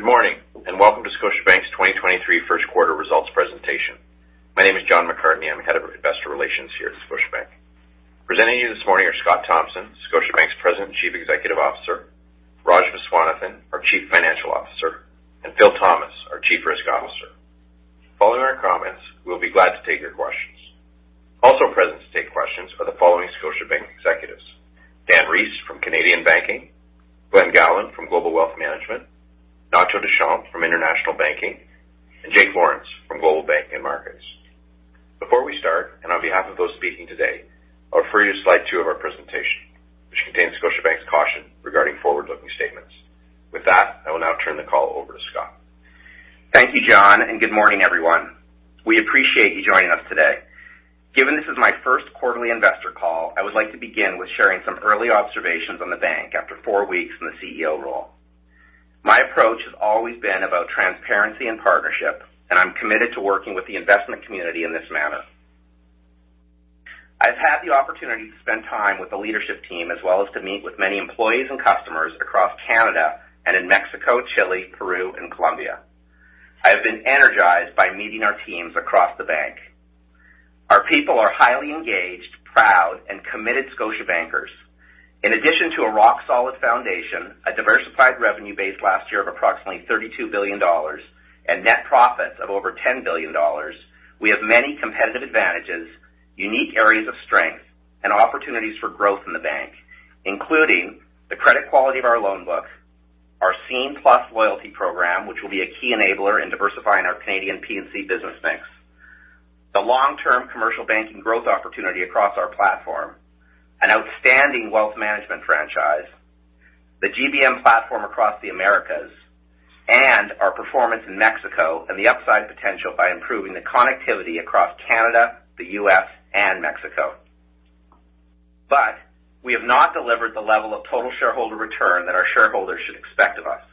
Good morning, welcome to Scotiabank's 2023 Q1 results presentation. My name is John McCartney. I'm Head of Investor Relations here at Scotiabank. Presenting you this morning are Scott Thomson, Scotiabank's President and Chief Executive Officer, Rajagopal Viswanathan, our Chief Financial Officer, and Phil Thomas, our Chief Risk Officer. Following our comments, we'll be glad to take your questions. Also present to take questions are the following Scotiabank executives: Dan Rees from Canadian Banking, Glen Gowland from Global Wealth Management, Ignacio Deschamps from International Banking, and Jake Lawrence from Global Banking and Markets. Before we start, on behalf of those speaking today, I offer you slide two of our presentation, which contains Scotiabank's caution regarding forward-looking statements. With that, I will now turn the call over to Scott. Thank you, John. Good morning, everyone. We appreciate you joining us today. Given this is my Q1 investor call, I would like to begin with sharing some early observations on the bank after four weeks in the CEO role. My approach has always been about transparency and partnership, and I'm committed to working with the investment community in this manner. I've had the opportunity to spend time with the leadership team as well as to meet with many employees and customers across Canada and in Mexico, Chile, Peru, and Colombia. I have been energized by meeting our teams across the bank. Our people are highly engaged, proud, and committed Scotiabankers. In addition to a rock-solid foundation, a diversified revenue base last year of approximately $32 billion and net profits of over $10 billion, we have many competitive advantages, unique areas of strength, and opportunities for growth in the bank, including the credit quality of our loan book, our Scene+ loyalty program, which will be a key enabler in diversifying our Canadian P&C business mix, the long-term commercial banking growth opportunity across our platform, an outstanding wealth management franchise, the GBM platform across the Americas, and our performance in Mexico and the upside potential by improving the connectivity across Canada, the U.S., and Mexico. We have not delivered the level of total shareholder return that our shareholders should expect of us.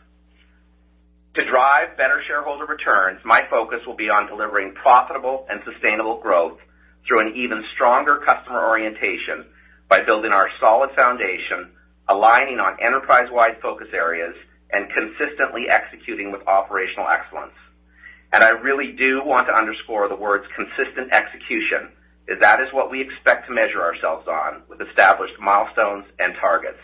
To drive better shareholder returns, my focus will be on delivering profitable and sustainable growth through an even stronger customer orientation by building our solid foundation, aligning on enterprise-wide focus areas, and consistently executing with operational excellence. I really do want to underscore the words consistent execution, as that is what we expect to measure ourselves on with established milestones and targets.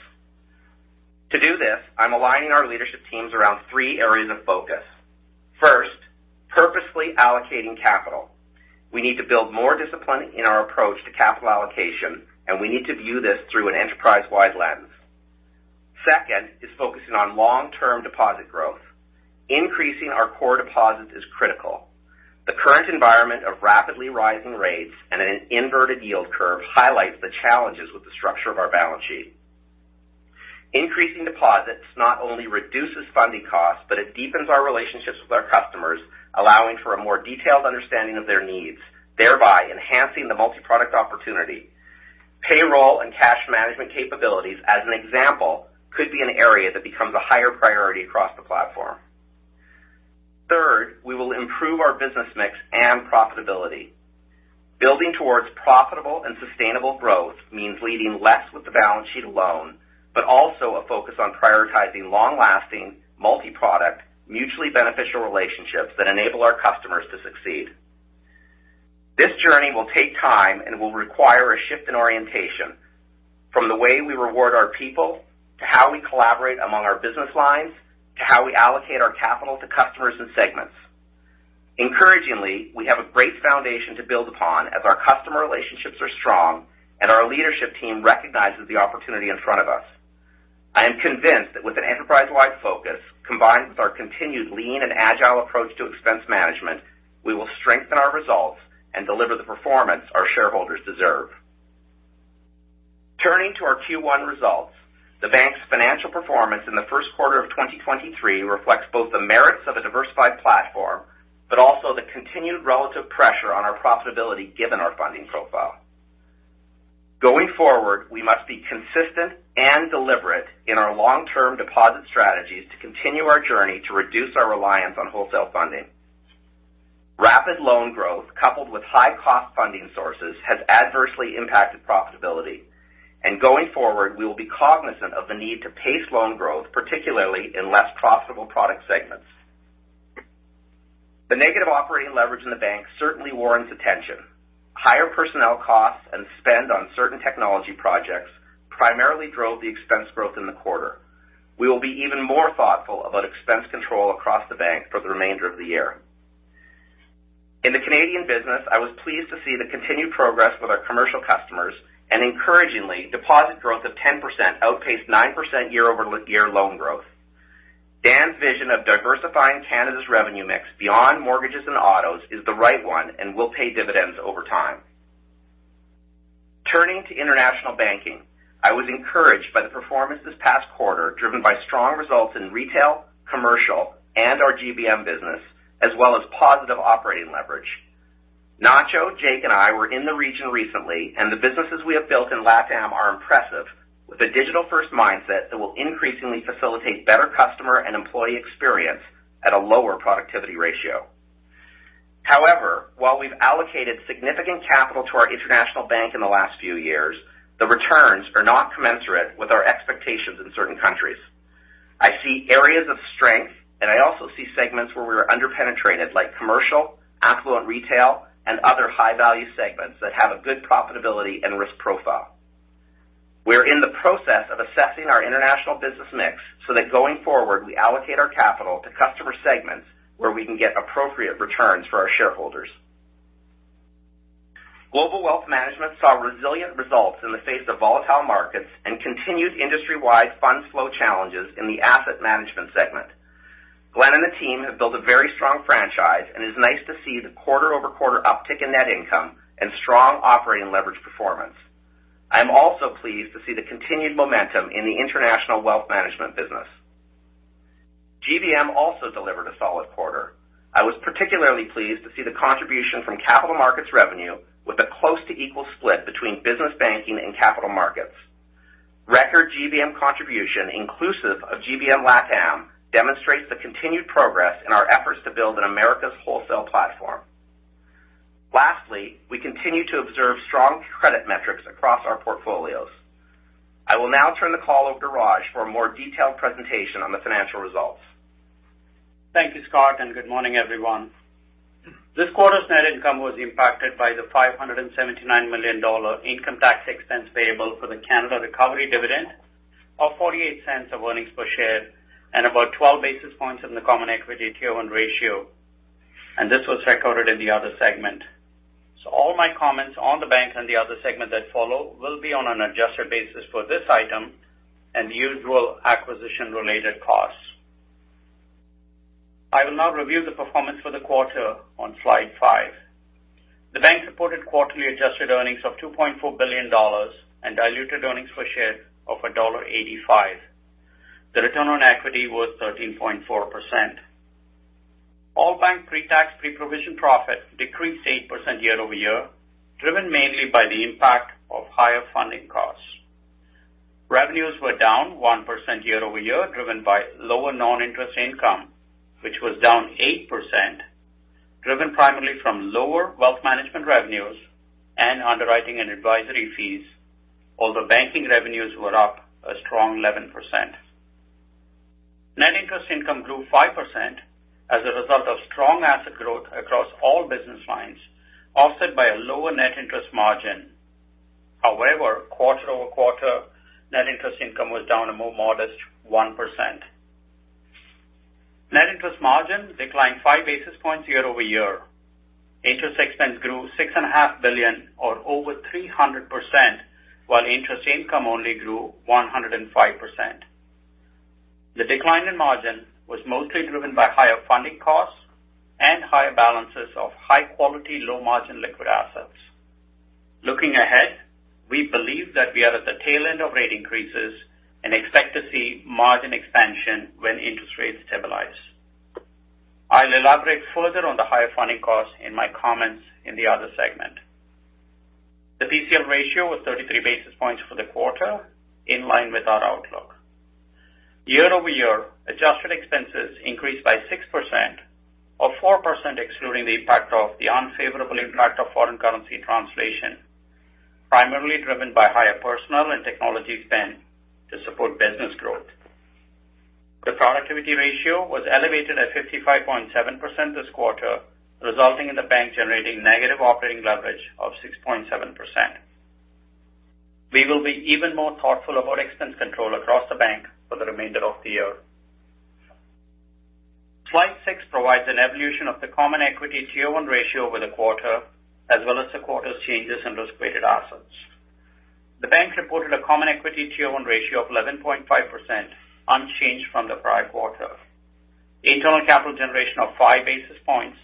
To do this, I'm aligning our leadership teams around three areas of focus. First, purposefully allocating capital. We need to build more discipline in our approach to capital allocation, and we need to view this through an enterprise-wide lens. Second is focusing on long-term deposit growth. Increasing our core deposits is critical. The current environment of rapidly rising rates and an inverted yield curve highlights the challenges with the structure of our balance sheet. Increasing deposits not only reduces funding costs, but it deepens our relationships with our customers, allowing for a more detailed understanding of their needs, thereby enhancing the multi-product opportunity. Payroll and cash management capabilities, as an example, could be an area that becomes a higher priority across the platform. Third, we will improve our business mix and profitability. Building towards profitable and sustainable growth means leading less with the balance sheet alone, but also a focus on prioritizing long-lasting, multi-product, mutually beneficial relationships that enable our customers to succeed. This journey will take time and will require a shift in orientation from the way we reward our people, to how we collaborate among our business lines, to how we allocate our capital to customers and segments. Encouragingly, we have a great foundation to build upon as our customer relationships are strong and our leadership team recognizes the opportunity in front of us. I am convinced that with an enterprise-wide focus combined with our continued lean and agile approach to expense management, we will strengthen our results and deliver the performance our shareholders deserve. Turning to our Q1 results, the bank's financial performance in the Q1 of 2023 reflects both the merits of a diversified platform, but also the continued relative pressure on our profitability given our funding profile. Going forward, we must be consistent and deliberate in our long-term deposit strategies to continue our journey to reduce our reliance on wholesale funding. Rapid loan growth coupled with high cost funding sources has adversely impacted profitability. Going forward, we will be cognizant of the need to pace loan growth, particularly in less profitable product segments. The negative operating leverage in the bank certainly warrants attention. Higher personnel costs and spend on certain technology projects primarily drove the expense growth in the quarter. We will be even more thoughtful about expense control across the bank for the remainder of the year. In the Canadian Banking, I was pleased to see the continued progress with our commercial customers and encouragingly, deposit growth of 10% outpaced 9% year-over-year loan growth. Dan's vision of diversifying Canada's revenue mix beyond mortgages and autos is the right one and will pay dividends over time. Turning to International Banking, I was encouraged by the performance this past quarter, driven by strong results in retail, commercial, and our GBM business, as well as positive operating leverage. Nacio, Jake and I were in the region recently. The businesses we have built in LATAM are impressive with a digital-first mindset that will increasingly facilitate better customer and employee experience at a lower productivity ratio. However, while we've allocated significant capital to our international bank in the last few years, the returns are not commensurate with our expectations in certain countries. I see areas of strength. I also see segments where we are under-penetrated, like commercial, affluent retail, and other high-value segments that have a good profitability and risk profile. We're in the process of assessing our international business mix. Going forward, we allocate our capital to customer segments where we can get appropriate returns for our shareholders. Global Wealth Management saw resilient results in the face of volatile markets and continued industry-wide fund flow challenges in the asset management segment. Glen and the team have built a very strong franchise, and it's nice to see the quarter-over-quarter uptick in net income and strong operating leverage performance. I'm also pleased to see the continued momentum in the international wealth management business. GBM also delivered a solid quarter. I was particularly pleased to see the contribution from capital markets revenue with a close to equal split between business banking and capital markets. Record GBM contribution inclusive of GBM LATAM demonstrates the continued progress in our efforts to build an America's wholesale platform. We continue to observe strong credit metrics across our portfolios. I will now turn the call over to Raj for a more detailed presentation on the financial results. Thank you, Scott. Good morning, everyone. This quarter's net income was impacted by the 579 million dollar income tax expense payable for the Canada Recovery Dividend of 0.48 of earnings per share and about 12 basis points in the Common Equity Tier 1 ratio, and this was recorded in the other segment. All my comments on the bank and the other segment that follow will be on an adjusted basis for this item and the usual acquisition-related costs. I will now review the performance for the quarter on slide five. The bank reported quarterly adjusted earnings of 2.4 billion dollars and diluted earnings per share of dollar 1.85. The return on equity was 13.4%. All bank pre-tax, pre-provision profit decreased 8% year-over-year, driven mainly by the impact of higher funding costs. Revenues were down 1% year-over-year, driven by lower non-interest income, which was down 8%, driven primarily from lower wealth management revenues and underwriting and advisory fees. Although banking revenues were up a strong 11%. Net interest income grew 5% as a result of strong asset growth across all business lines, offset by a lower net interest margin. However, quarter-over-quarter, net interest income was down a more modest 1%. Net interest margin declined 5 basis points year-over-year. Interest expense grew 6.5 billion or over 300%, while interest income only grew 105%. The decline in margin was mostly driven by higher funding costs and higher balances of high quality, low margin liquid assets. Looking ahead, we believe that we are at the tail end of rate increases and expect to see margin expansion when interest rates stabilize. I'll elaborate further on the higher funding costs in my comments in the other segment. The PCL ratio was 33 basis points for the quarter, in line with our outlook. Year-over-year, adjusted expenses increased by 6% or 4% excluding the impact of the unfavorable impact of foreign currency translation, primarily driven by higher personnel and technology spend to support business growth. The productivity ratio was elevated at 55.7% this quarter, resulting in the bank generating negative operating leverage of 6.7%. We will be even more thoughtful about expense control across the bank for the remainder of the year. Slide six provides an evolution of the Common Equity Tier 1 ratio over the quarter, as well as the quarter's changes in risk-weighted assets. The bank reported a Common Equity Tier 1 ratio of 11.5%, unchanged from the prior quarter. Internal capital generation of 5 basis points,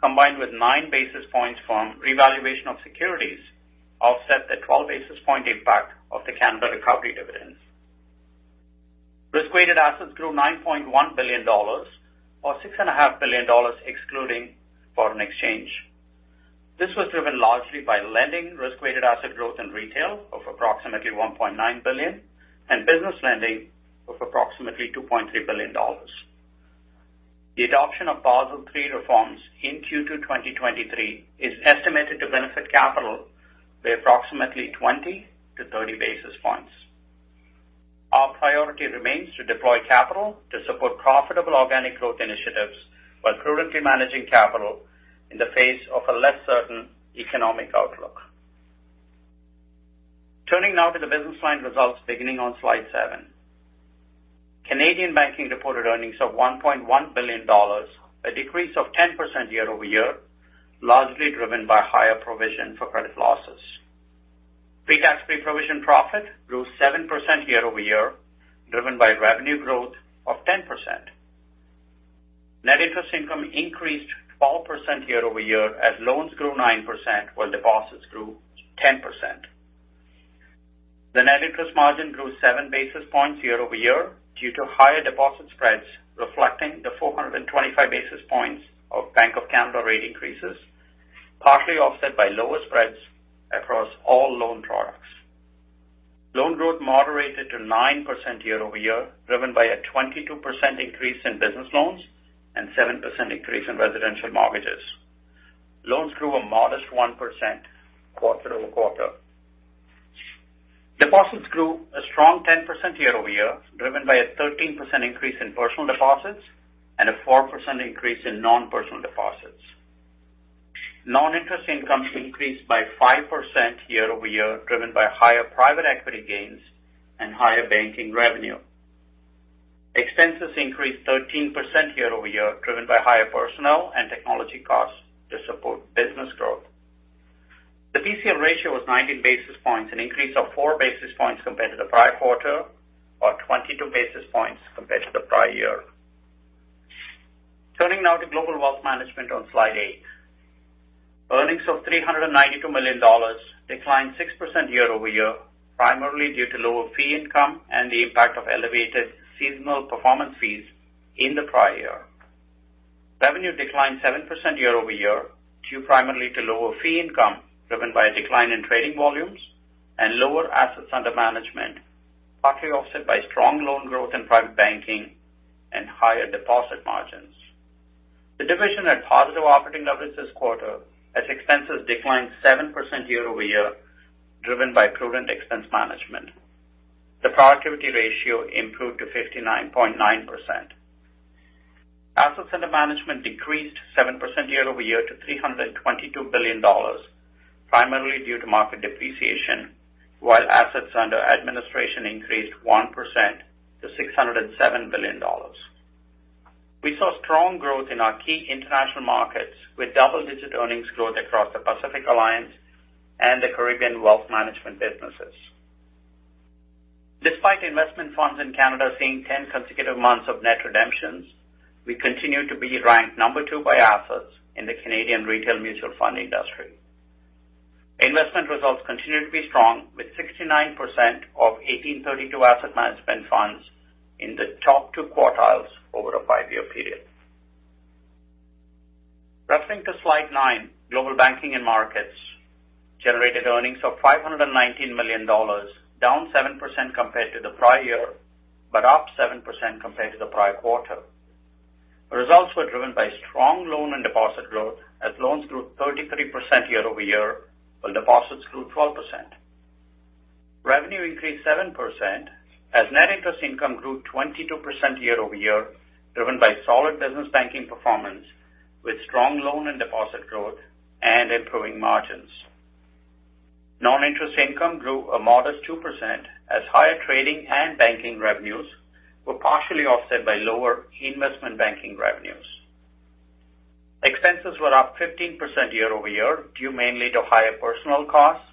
combined with 9 basis points from revaluation of securities offset the 12 basis point impact of the Canada Recovery dividends. Risk-weighted assets grew 9.1 billion dollars or 6.5 Billion dollars excluding foreign exchange. This was driven largely by lending, risk-weighted asset growth in retail of approximately 1.9 billion and business lending of approximately 2.3 billion dollars. The adoption of Basel III reforms in Q2, 2023 is estimated to benefit capital by approximately 20-30 basis points. Our priority remains to deploy capital to support profitable organic growth initiatives while prudently managing capital in the face of a less certain economic outlook. Turning now to the business line results beginning on slide seven. Canadian Banking reported earnings of $1.1 billion, a decrease of 10% year-over-year, largely driven by higher provision for credit losses. Pre-tax, pre-provision profit grew 7% year-over-year, driven by revenue growth of 10%. Net interest income increased 12% year-over-year as loans grew 9% while deposits grew 10%. The net interest margin grew 7 basis points year-over-year due to higher deposit spreads, reflecting the 425 basis points of Bank of Canada rate increases, partly offset by lower spreads across all loan products. Loan growth moderated to 9% year-over-year, driven by a 22% increase in business loans and 7% increase in residential mortgages. Loans grew a modest 1% quarter-over-quarter. Deposits grew a strong 10% year-over-year, driven by a 13% increase in personal deposits and a 4% increase in non-personal deposits. Non-interest income increased by 5% year-over-year, driven by higher private equity gains and higher banking revenue. Expenses increased 13% year-over-year, driven by higher personnel and technology costs to support business growth. The PCL ratio was 90 basis points, an increase of 4 basis points compared to the prior quarter, or 22 basis points compared to the prior year. Turning now to Global Wealth Management on slide eight. Earnings of 392 million dollars declined 6% year-over-year, primarily due to lower fee income and the impact of elevated seasonal performance fees in the prior year. Revenue declined 7% year-over-year, due primarily to lower fee income driven by a decline in trading volumes and lower assets under management, partly offset by strong loan growth in private banking and higher deposit margins. The division had positive operating profits this quarter as expenses declined 7% year-over-year, driven by prudent expense management. The productivity ratio improved to 59.9%. Assets under management decreased 7% year-over-year to 322 billion dollars, primarily due to market depreciation, while assets under administration increased 1% to 607 billion dollars. We saw strong growth in our key international markets, with double-digit earnings growth across the Pacific Alliance and the Caribbean wealth management businesses. Despite investment funds in Canada seeing 10 consecutive months of net redemptions, we continue to be ranked number two by assets in the Canadian retail mutual fund industry. Investment results continue to be strong with 69% of 1832 Asset Management L.P. funds in the top two quartiles over a five-year period. Referencing to slide nine, Global Banking and Markets generated earnings of 519 million dollars, down 7% compared to the prior year, but up 7% compared to the prior quarter. Results were driven by strong loan and deposit growth as loans grew 33% year-over-year, while deposits grew 12%. Revenue increased 7% as net interest income grew 22% year-over-year, driven by solid business banking performance with strong loan and deposit growth and improving margins. Non-interest income grew a modest 2% as higher trading and banking revenues were partially offset by lower investment banking revenues. Expenses were up 15% year-over-year, due mainly to higher personal costs,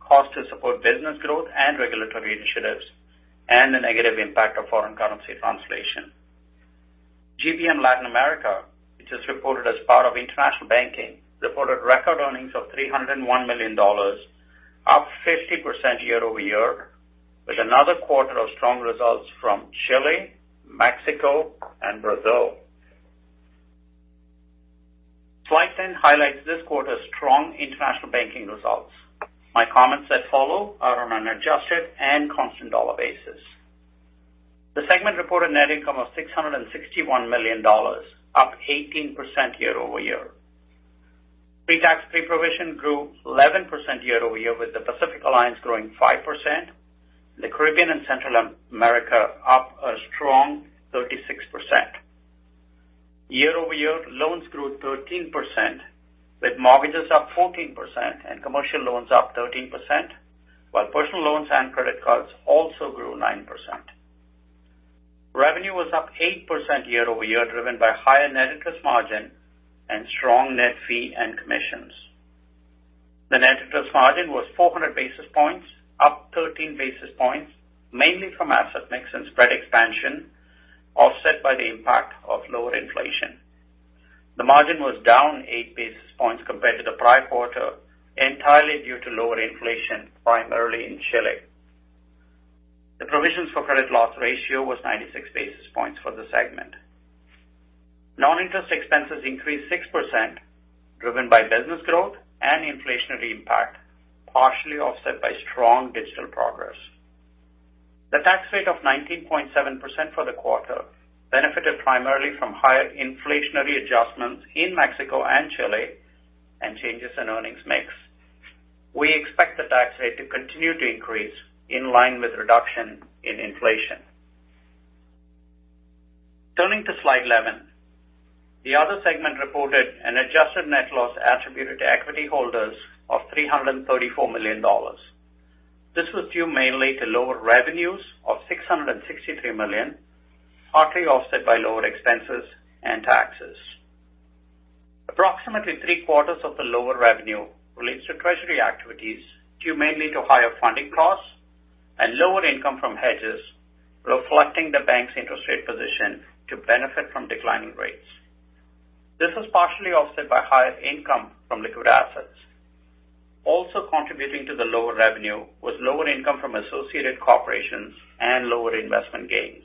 cost to support business growth and regulatory initiatives, and the negative impact of foreign currency translation. GBM Latin America, which is reported as part of International Banking, reported record earnings of $301 million, up 50% year-over-year, with another quarter of strong results from Chile, Mexico and Brazil. Slide 10 highlights this quarter's strong International Banking results. My comments that follow are on an adjusted and constant dollar basis. The segment reported net income of $661 million, up 18% year-over-year. Pre-tax, pre-provision grew 11% year-over-year, with the Pacific Alliance growing 5%, the Caribbean and Central America up a strong 36%. Year-over-year, loans grew 13%, with mortgages up 14% and commercial loans up 13%, while personal loans and credit cards also grew 9%. Revenue was up 8% year-over-year, driven by higher net interest margin and strong net fee and commissions. The net interest margin was 400 basis points, up 13 basis points, mainly from asset mix and spread expansion, offset by the impact of lower inflation. The margin was down 8 basis points compared to the prior quarter, entirely due to lower inflation, primarily in Chile. The provisions for credit loss ratio was 96 basis points for the segment. Non-interest expenses increased 6%, driven by business growth and inflationary impact, partially offset by strong digital progress. The tax rate of 19.7% for the quarter benefited primarily from higher inflationary adjustments in Mexico and Chile and changes in earnings mix. We expect the tax rate to continue to increase in line with reduction in inflation. Turning to slide 11, the other segment reported an adjusted net loss attributed to equity holders of 334 million dollars. This was due mainly to lower revenues of 663 million, partly offset by lower expenses and taxes. Approximately three-quarters of the lower revenue relates to treasury activities due mainly to higher funding costs and lower income from hedges, reflecting the bank's interest rate position to benefit from declining rates. This is partially offset by higher income from liquid assets. Also contributing to the lower revenue was lower income from associated corporations and lower investment gains.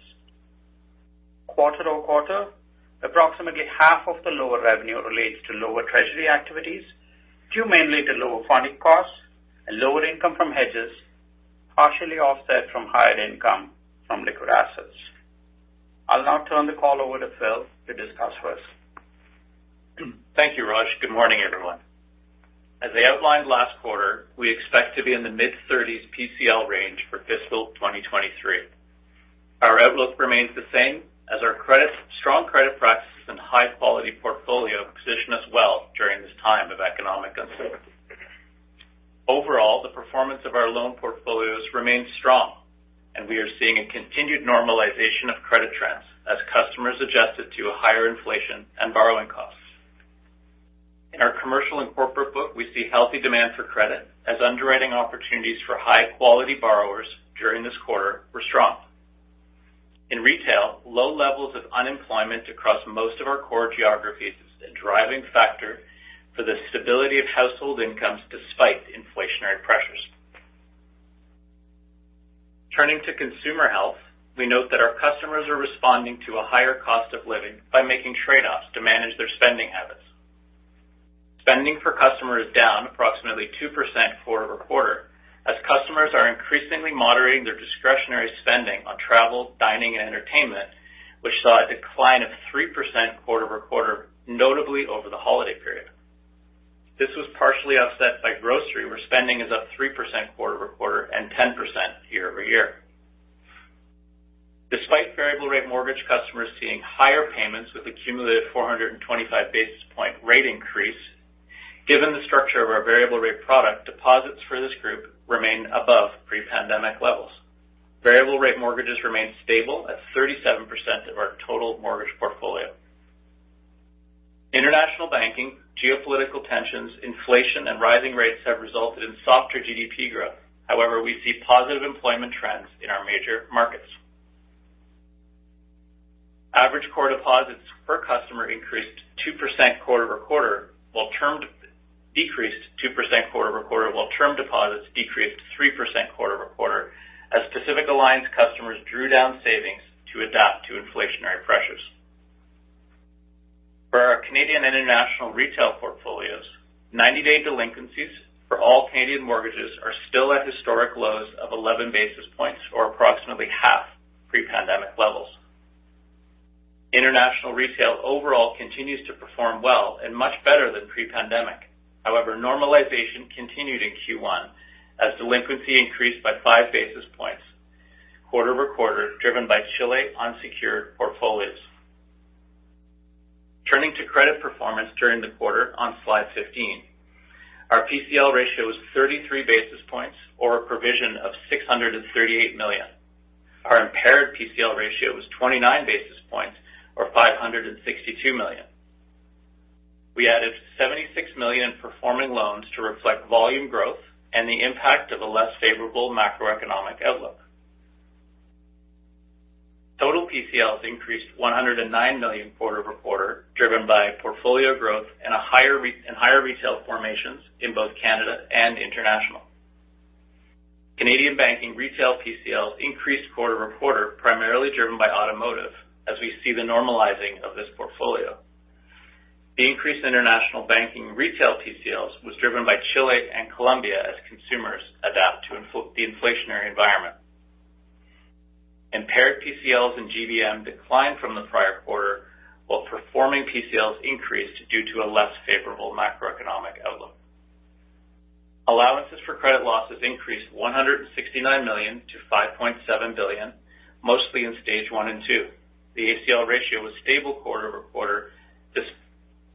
Quarter-over-quarter, approximately half of the lower revenue relates to lower treasury activities, due mainly to lower funding costs and lower income from hedges, partially offset from higher income from liquid assets. I'll now turn the call over to Phil to discuss first. Thank you, Raj. Good morning, everyone. As I outlined last quarter, we expect to be in the mid-30s PCL range for fiscal 2023. Our outlook remains the same as our strong credit practices and high-quality portfolio position us well during this time of economic uncertainty. Overall, the performance of our loan portfolios remains strong, and we are seeing a continued normalization of credit trends as customers adjusted to a higher inflation and borrowing costs. In our commercial and corporate book, we see healthy demand for credit as underwriting opportunities for high-quality borrowers during this quarter were strong. In retail, low levels of unemployment across most of our core geographies is a driving factor for the stability of household incomes despite inflationary pressures. Turning to consumer health, we note that our customers are responding to a higher cost of living by making trade-offs to manage their spending habits. Spending per customer is down approximately 2% quarter-over-quarter, as customers are increasingly moderating their discretionary spending on travel, dining, and entertainment, which saw a decline of 3% quarter-over-quarter, notably over the holiday period. This was partially offset by grocery, where spending is up 3% quarter-over-quarter and 10% year-over-year. Despite variable rate mortgage customers seeing higher payments with accumulated 425 basis point rate increase, given the structure of our variable rate product, deposits for this group remain above pre-pandemic levels. Variable rate mortgages remain stable at 37% of our total mortgage portfolio. International Banking, geopolitical tensions, inflation, and rising rates have resulted in softer GDP growth. However, we see positive employment trends in our major markets. Average core deposits per customer increased 2% quarter-over-quarter, while term deposits decreased 3% quarter-over-quarter as Pacific Alliance customers drew down savings to adapt to inflationary pressures. For our Canadian International retail portfolios, 90-day delinquencies for all Canadian mortgages are still at historic lows of 11 basis points or approximately half pre-pandemic levels. International retail overall continues to perform well and much better than pre-pandemic. Normalization continued in Q1 as delinquency increased by 5 basis points quarter-over-quarter, driven by Chile unsecured portfolios. Turning to credit performance during the quarter on slide 15. Our PCL ratio is 33 basis points or a provision of 638 million. Our impaired PCL ratio is 29 basis points or 562 million. We added 76 million in performing loans to reflect volume growth and the impact of a less favorable macroeconomic outlook. Total PCLs increased 109 million quarter-over-quarter, driven by portfolio growth and higher retail formations in both Canada and international. Canadian Banking retail PCLs increased quarter-over-quarter, primarily driven by automotive as we see the normalizing of this portfolio. The increased International Banking retail PCLs was driven by Chile and Colombia as consumers adapt to the inflationary environment. Impaired PCLs in GBM declined from the prior quarter, while performing PCLs increased due to a less favorable macroeconomic outlook. Allowances for credit losses increased 169 million-5.7 billion, mostly in Stage One and Two. The ACL ratio was stable quarter-over-quarter.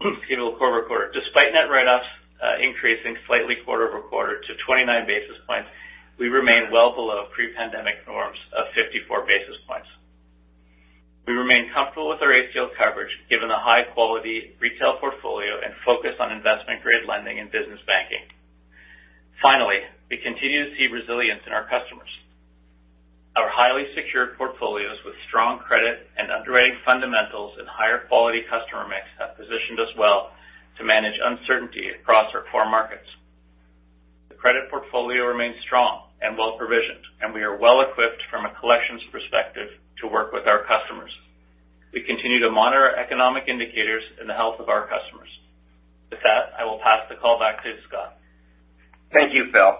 Despite net write-offs, increasing slightly quarter-over-quarter to 29 basis points, we remain well below pre-pandemic norms of 54 basis points. We remain comfortable with our ACL coverage given the high-quality retail portfolio and focus on investment-grade lending and business banking. Finally, we continue to see resilience in our customers. Our highly secured portfolios with strong credit and underwriting fundamentals and higher quality customer mix have positioned us well to manage uncertainty across our core markets. The credit portfolio remains strong and well-provisioned. We are well equipped from a collections perspective to work with our customers. We continue to monitor economic indicators and the health of our customers. With that, I will pass the call back to Scott. Thank you, Phil.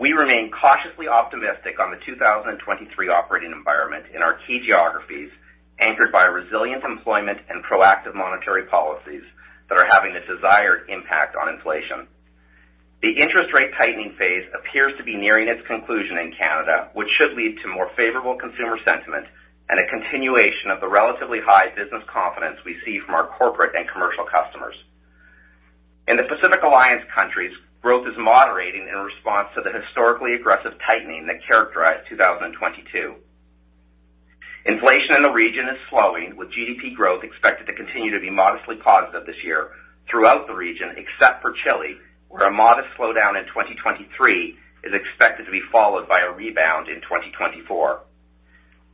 We remain cautiously optimistic on the 2023 operating environment in our key geographies, anchored by resilient employment and proactive monetary policies that are having the desired impact on inflation. The interest rate tightening phase appears to be nearing its conclusion in Canada, which should lead to more favorable consumer sentiment and a continuation of the relatively high business confidence we see from our corporate and commercial customers. In the Pacific Alliance countries, growth is moderating in response to the historically aggressive tightening that characterized 2022. Inflation in the region is slowing, with GDP growth expected to continue to be modestly positive this year throughout the region, except for Chile, where a modest slowdown in 2023 is expected to be followed by a rebound in 2024.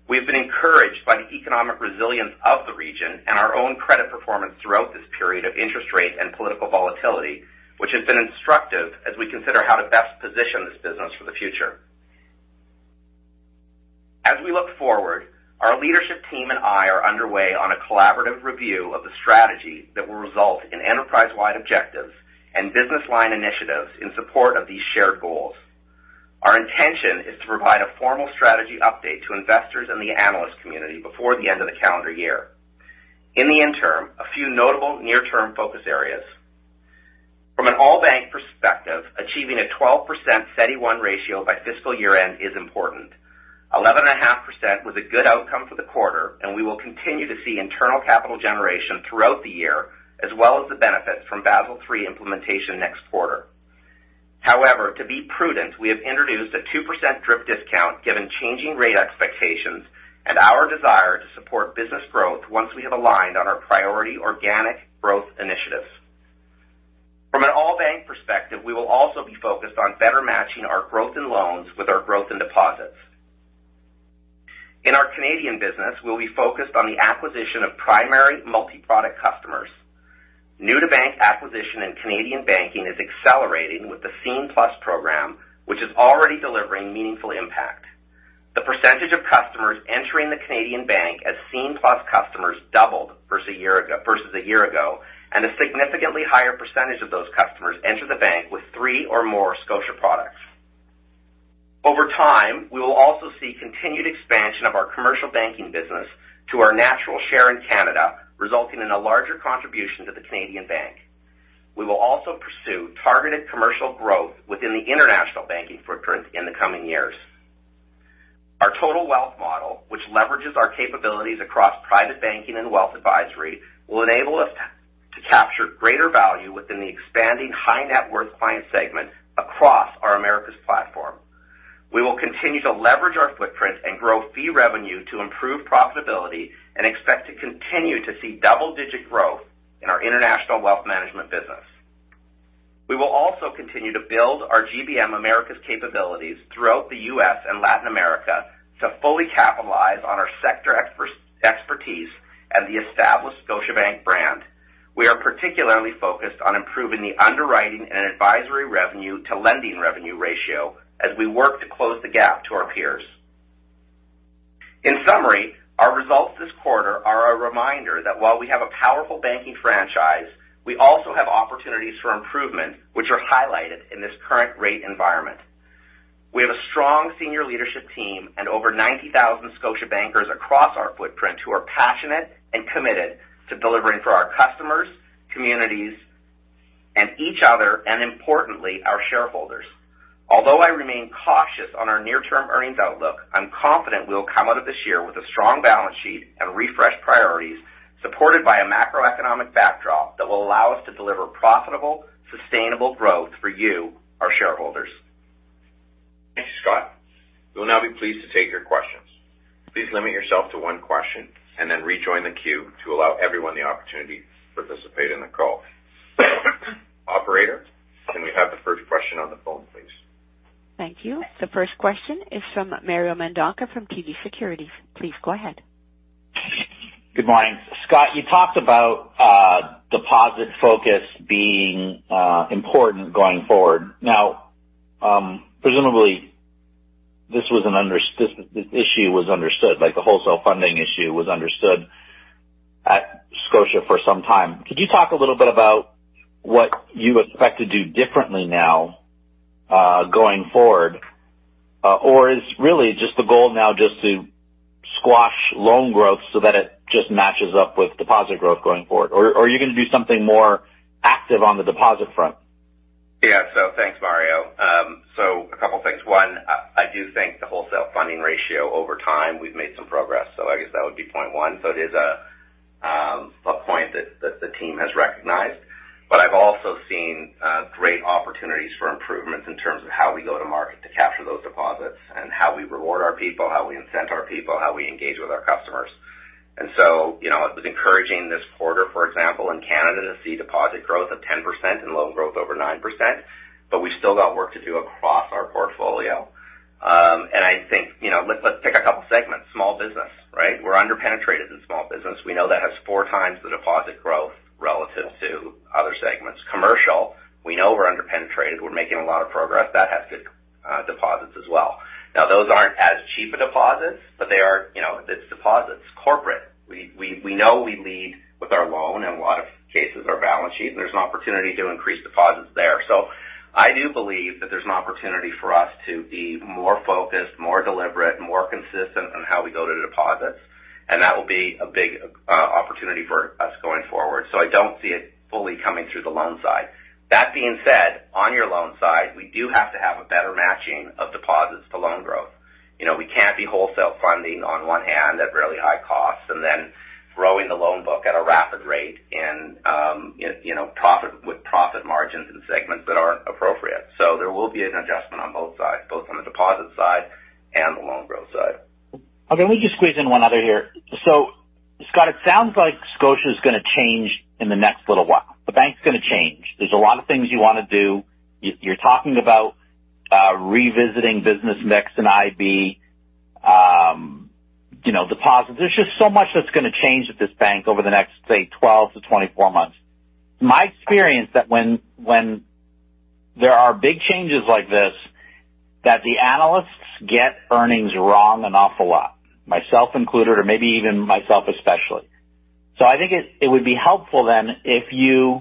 We've been encouraged by the economic resilience of the region and our own credit performance throughout this period of interest rate and political volatility, which has been instructive as we consider how to best position this business for the future. As we look forward, our leadership team and I are underway on a collaborative review of the strategy that will result in enterprise-wide objectives and business line initiatives in support of these shared goals. Our intention is to provide a formal strategy update to investors in the analyst community before the end of the calendar year. In the interim, a few notable near-term focus areas. From an all bank perspective, achieving a 12% CET1 ratio by fiscal year-end is important. 11.5% was a good outcome for the quarter, and we will continue to see internal capital generation throughout the year, as well as the benefits from Basel III implementation next quarter. However, to be prudent, we have introduced a 2% drip discount given changing rate expectations and our desire to support business growth once we have aligned on our priority organic growth initiatives. From an all bank perspective, we will also be focused on better matching our growth in loans with our growth in deposits. In our Canadian business, we'll be focused on the acquisition of primary multi-product customers. New to bank acquisition and Canadian Banking is accelerating with the Scene+ program, which is already delivering meaningful impact. The percentage of customers entering the Canadian Banking as Scene+ customers doubled versus a year ago. A significantly higher percentage of those customers enter the bank with three or more Scotia products. Over time, we will also see continued expansion of our commercial banking business to our natural share in Canada, resulting in a larger contribution to the Canadian Banking. We will also pursue targeted commercial growth within the International Banking footprint in the coming years. Our total wealth model, which leverages our capabilities across private banking and wealth advisory, will enable us to capture greater value within the expanding high net worth client segment across our Americas platform. We will continue to leverage our footprint and grow fee revenue to improve profitability and expect to continue to see double-digit growth in our international wealth management business. We will also continue to build our GBM Americas capabilities throughout the U.S. and Latin America to fully capitalize on our sector expertise and the established Scotiabank brand. We are particularly focused on improving the underwriting and advisory revenue to lending revenue ratio as we work to close the gap to our peers. Our results this quarter are a reminder that while we have a powerful banking franchise, we also have opportunities for improvement, which are highlighted in this current rate environment. We have a strong senior leadership team and over 90,000 Scotia bankers across our footprint who are passionate and committed to delivering for our customers, communities, and each other, and importantly, our shareholders. Although I remain cautious on our near-term earnings outlook, I'm confident we'll come out of this year with a strong balance sheet and refreshed priorities, supported by a macroeconomic backdrop that will allow us to deliver profitable, sustainable growth for you, our shareholders. Thank you, Scott. We will now be pleased to take your questions. Please limit yourself to one question and then rejoin the queue to allow everyone the opportunity to participate in the call. Operator, can we have the first question on the phone, please? Thank you. The first question is from Mario Mendonca from TD Securities. Please go ahead. Good morning. Scott, you talked about deposit focus being important going forward. Presumably this issue was understood, like the wholesale funding issue was understood at Scotia for some time. Could you talk a little bit about what you expect to do differently now, going forward? Or is really just the goal now just to squash loan growth so that it just matches up with deposit growth going forward? Or are you gonna do something more active on the deposit front? Thanks, Mario. A couple of things. One, I do think the wholesale funding ratio over time, we've made some progress. I guess that would be point one. It is a point that the team has recognized. I've also seen great opportunities for improvements in terms of how we go to market to capture those deposits and how we reward our people, how we incent our people, how we engage with our customers. You know, it was encouraging this quarter, for example, in Canada, to see deposit growth of 10% and loan growth over 9%, but we still got work to do across our portfolio. I think, you know, let's pick a couple of segments. Small business, right? We're underpenetrated in small business. We know that has four times the deposit growth relative to other segments. Commercial, we know we're underpenetrated. We're making a lot of progress. That has big deposits as well. Now, those aren't as cheap a deposits, but they are, you know, it's deposits. Corporate, we know we lead with our loan, in a lot of cases, our balance sheet, and there's an opportunity to increase deposits there. I do believe that there's an opportunity for us to be more focused, more deliberate, and more consistent on how we go to deposits, and that will be a big opportunity for us going forward. I don't see it fully coming through the loan side. That being said, on your loan side, we do have to have a better matching of deposits to loan growth. You know, we can't be wholesale funding on one hand at really high costs and then growing the loan book at a rapid rate and, you know, with profit margins in segments that aren't appropriate. There will be an adjustment on both sides, both on the deposit side and the loan growth side. Okay, let me just squeeze in one other here. Scott, it sounds like Scotia is gonna change in the next little while. The bank's gonna change. There's a lot of things you wanna do. You, you're talking about revisiting business mix in IB. You know, deposit. There's just so much that's gonna change at this bank over the next, say, 12-24 months. My experience that when there are big changes like this, that the analysts get earnings wrong an awful lot, myself included, or maybe even myself especially. I think it would be helpful then if you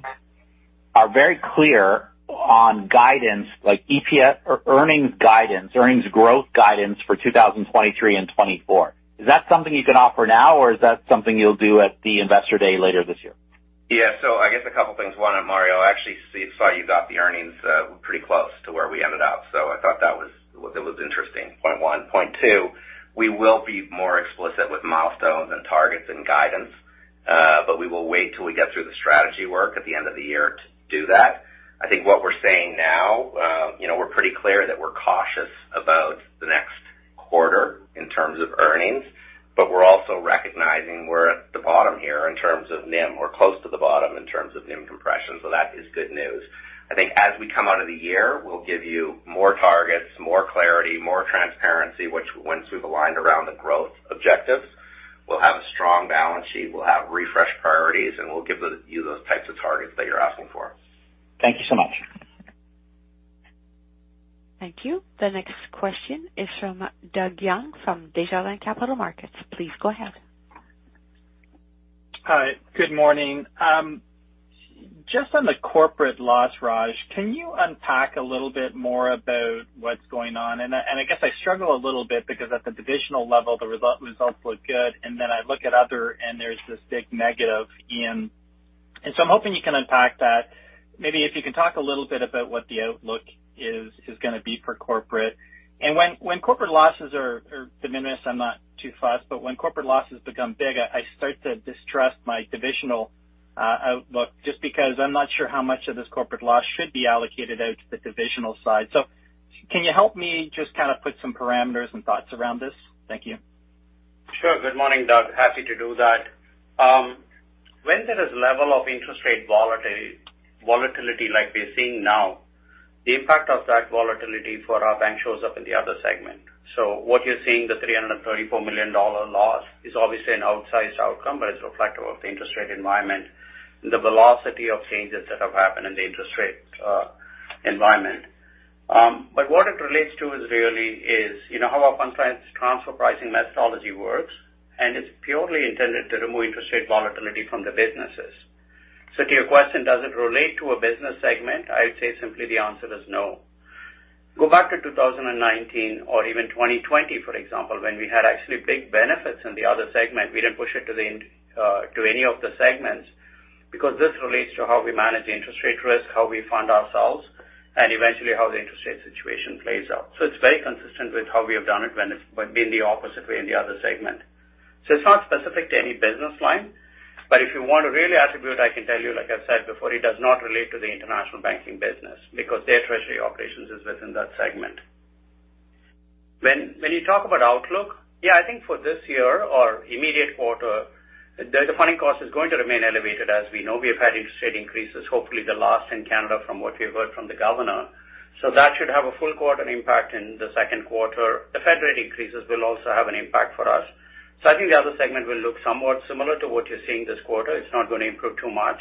are very clear on guidance like EPS or earnings guidance, earnings growth guidance for 2023 and 2024. Is that something you can offer now or is that something you'll do at the Investor Day later this year? Yeah. I guess a couple things. One, Mario, actually saw you got the earnings pretty close to where we ended up. I thought it was interesting, point one. Point two, we will be more explicit with milestones and targets and guidance, but we will wait till we get through the strategy work at the end of the year to do that. I think what we're saying now, you know, we're pretty clear that we're cautious about the next quarter in terms of earnings, but we're also recognizing we're at the bottom here in terms of NIM, or close to the bottom in terms of NIM compression, so that is good news. I think as we come out of the year, we'll give you more targets, more clarity, more transparency, which once we've aligned around the growth objectives, we'll have a strong balance sheet, we'll have refreshed priorities, and we'll give you those types of targets that you're asking for. Thank you so much. Thank you. The next question is from Doug Young from Desjardins Capital Markets. Please go ahead. Hi. Good morning. Just on the corporate loss, Raj, can you unpack a little bit more about what's going on? I guess I struggle a little bit because at the divisional level, the results look good, I look at other, and there's this big negative in. I'm hoping you can unpack that. Maybe if you can talk a little bit about what the outlook is gonna be for corporate. When corporate losses are diminished, I'm not too fussed, but when corporate losses become big, I start to distrust my divisional outlook just because I'm not sure how much of this corporate loss should be allocated out to the divisional side. Can you help me just kind of put some parameters and thoughts around this? Thank you. Sure. Good morning, Doug. Happy to do that. When there is level of interest rate volatility like we're seeing now, the impact of that volatility for our bank shows up in the other segment. What you're seeing, the 334 million dollar loss is obviously an outsized outcome, but it's reflective of the interest rate environment and the velocity of changes that have happened in the interest rate environment. What it relates to is really is, you know, how our compliance transfer pricing methodology works, and it's purely intended to remove interest rate volatility from the businesses. To your question, does it relate to a business segment? I would say simply the answer is no. Go back to 2019 or even 2020, for example, when we had actually big benefits in the other segment. We didn't push it to any of the segments because this relates to how we manage the interest rate risk, how we fund ourselves, and eventually how the interest rate situation plays out. It's very consistent with how we have done it when it's been the opposite way in the other segment. It's not specific to any business line, but if you want to really attribute, I can tell you, like I said before, it does not relate to the International Banking business because their treasury operations is within that segment. When you talk about outlook, yeah, I think for this year or immediate quarter, the funding cost is going to remain elevated. As we know, we have had interest rate increases, hopefully the last in Canada from what we've heard from the governor. That should have a full quarter impact in the Q2. The Fed rate increases will also have an impact for us. I think the other segment will look somewhat similar to what you're seeing this quarter. It's not going to improve too much.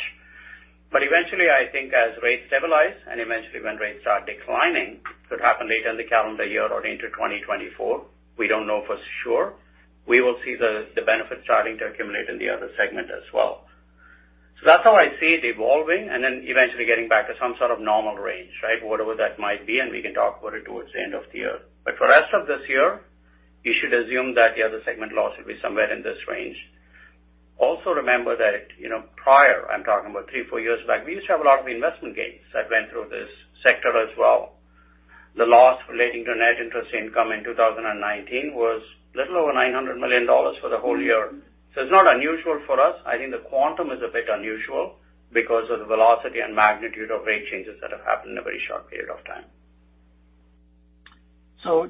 Eventually, I think as rates stabilize and eventually when rates start declining, could happen later in the calendar year or into 2024, we don't know for sure, we will see the benefit starting to accumulate in the other segment as well. That's how I see it evolving and then eventually getting back to some sort of normal range, right? Whatever that might be, and we can talk about it towards the end of the year. For rest of this year, you should assume that the other segment loss will be somewhere in this range. Remember that, you know, prior, I'm talking about three, four years back, we used to have a lot of investment gains that went through this sector as well. The loss relating to net interest income in 2019 was a little over $900 million for the whole year. It's not unusual for us. I think the quantum is a bit unusual because of the velocity and magnitude of rate changes that have happened in a very short period of time.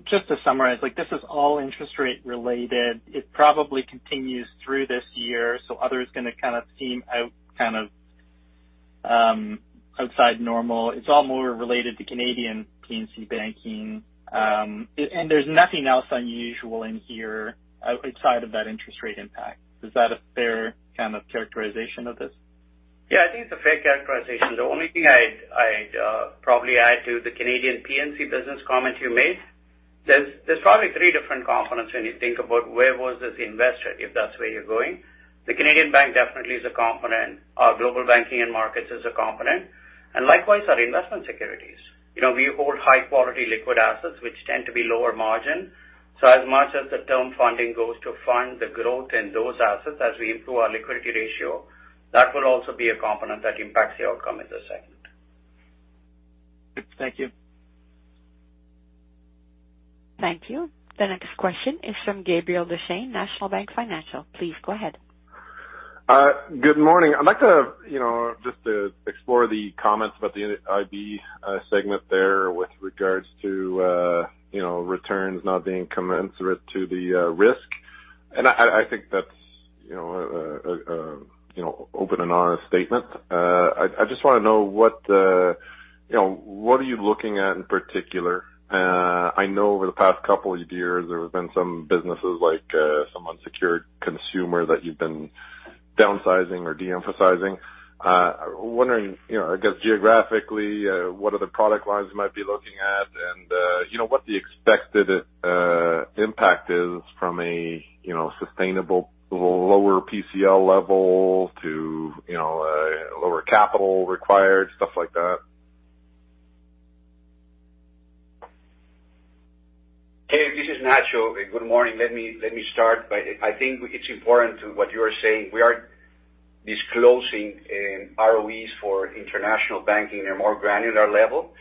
Just to summarize, like this is all interest rate related. It probably continues through this year, so other is gonna kind of seem out kind of outside normal. It's all more related to Canadian P&C Banking. And there's nothing else unusual in here outside of that interest rate impact. Is that a fair kind of characterization of this? Yeah, I think it's a fair characterization. The only thing I'd probably add to the Canadian P&C business comment you made, there's probably three different components when you think about where was this invested, if that's where you're going. The Canadian Banking definitely is a component. Our Global Banking and Markets is a component, and likewise our investment securities. You know, we hold high-quality liquid assets, which tend to be lower margin. As much as the term funding goes to fund the growth in those assets as we improve our liquidity ratio, that will also be a component that impacts the outcome as a segment. Thank you. Thank you. The next question is from Gabriel Dechaine, National Bank Financial. Please go ahead. Good morning. I'd like to, you know, just to explore the comments about the IB segment there with regards to, you know, returns not being commensurate to the risk. I think that's. You know, you know, open and honest statement. I just want to know what, you know, what are you looking at in particular? I know over the past couple of years, there have been some businesses like, some unsecured consumer that you've been downsizing or de-emphasizing. Wondering, you know, I guess geographically, what other product lines you might be looking at? What the expected impact is from a, you know, sustainable lower PCL level to, you know, a lower capital required, stuff like that. Gabe, this is Ignacio. Good morning. Let me start by I think it's important to what you are saying. We are disclosing ROEs for International Banking in a more granular level.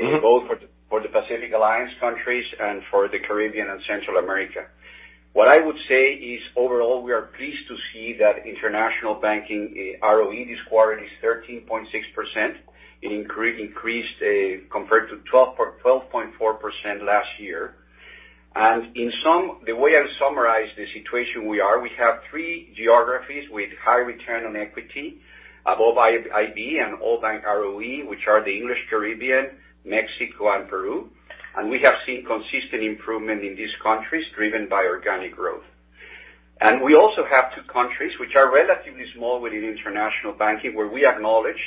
Mm-hmm. Both for the Pacific Alliance countries and for the Caribbean and Central America. What I would say is overall, we are pleased to see that International Banking ROE this quarter is 13.6%. It increased compared to 12.4% last year. The way I summarize the situation we are, we have three geographies with high return on equity above IB and all bank ROE, which are the English Caribbean, Mexico and Peru. We have seen consistent improvement in these countries driven by organic growth. We also have two countries which are relatively small within International Banking, where we acknowledge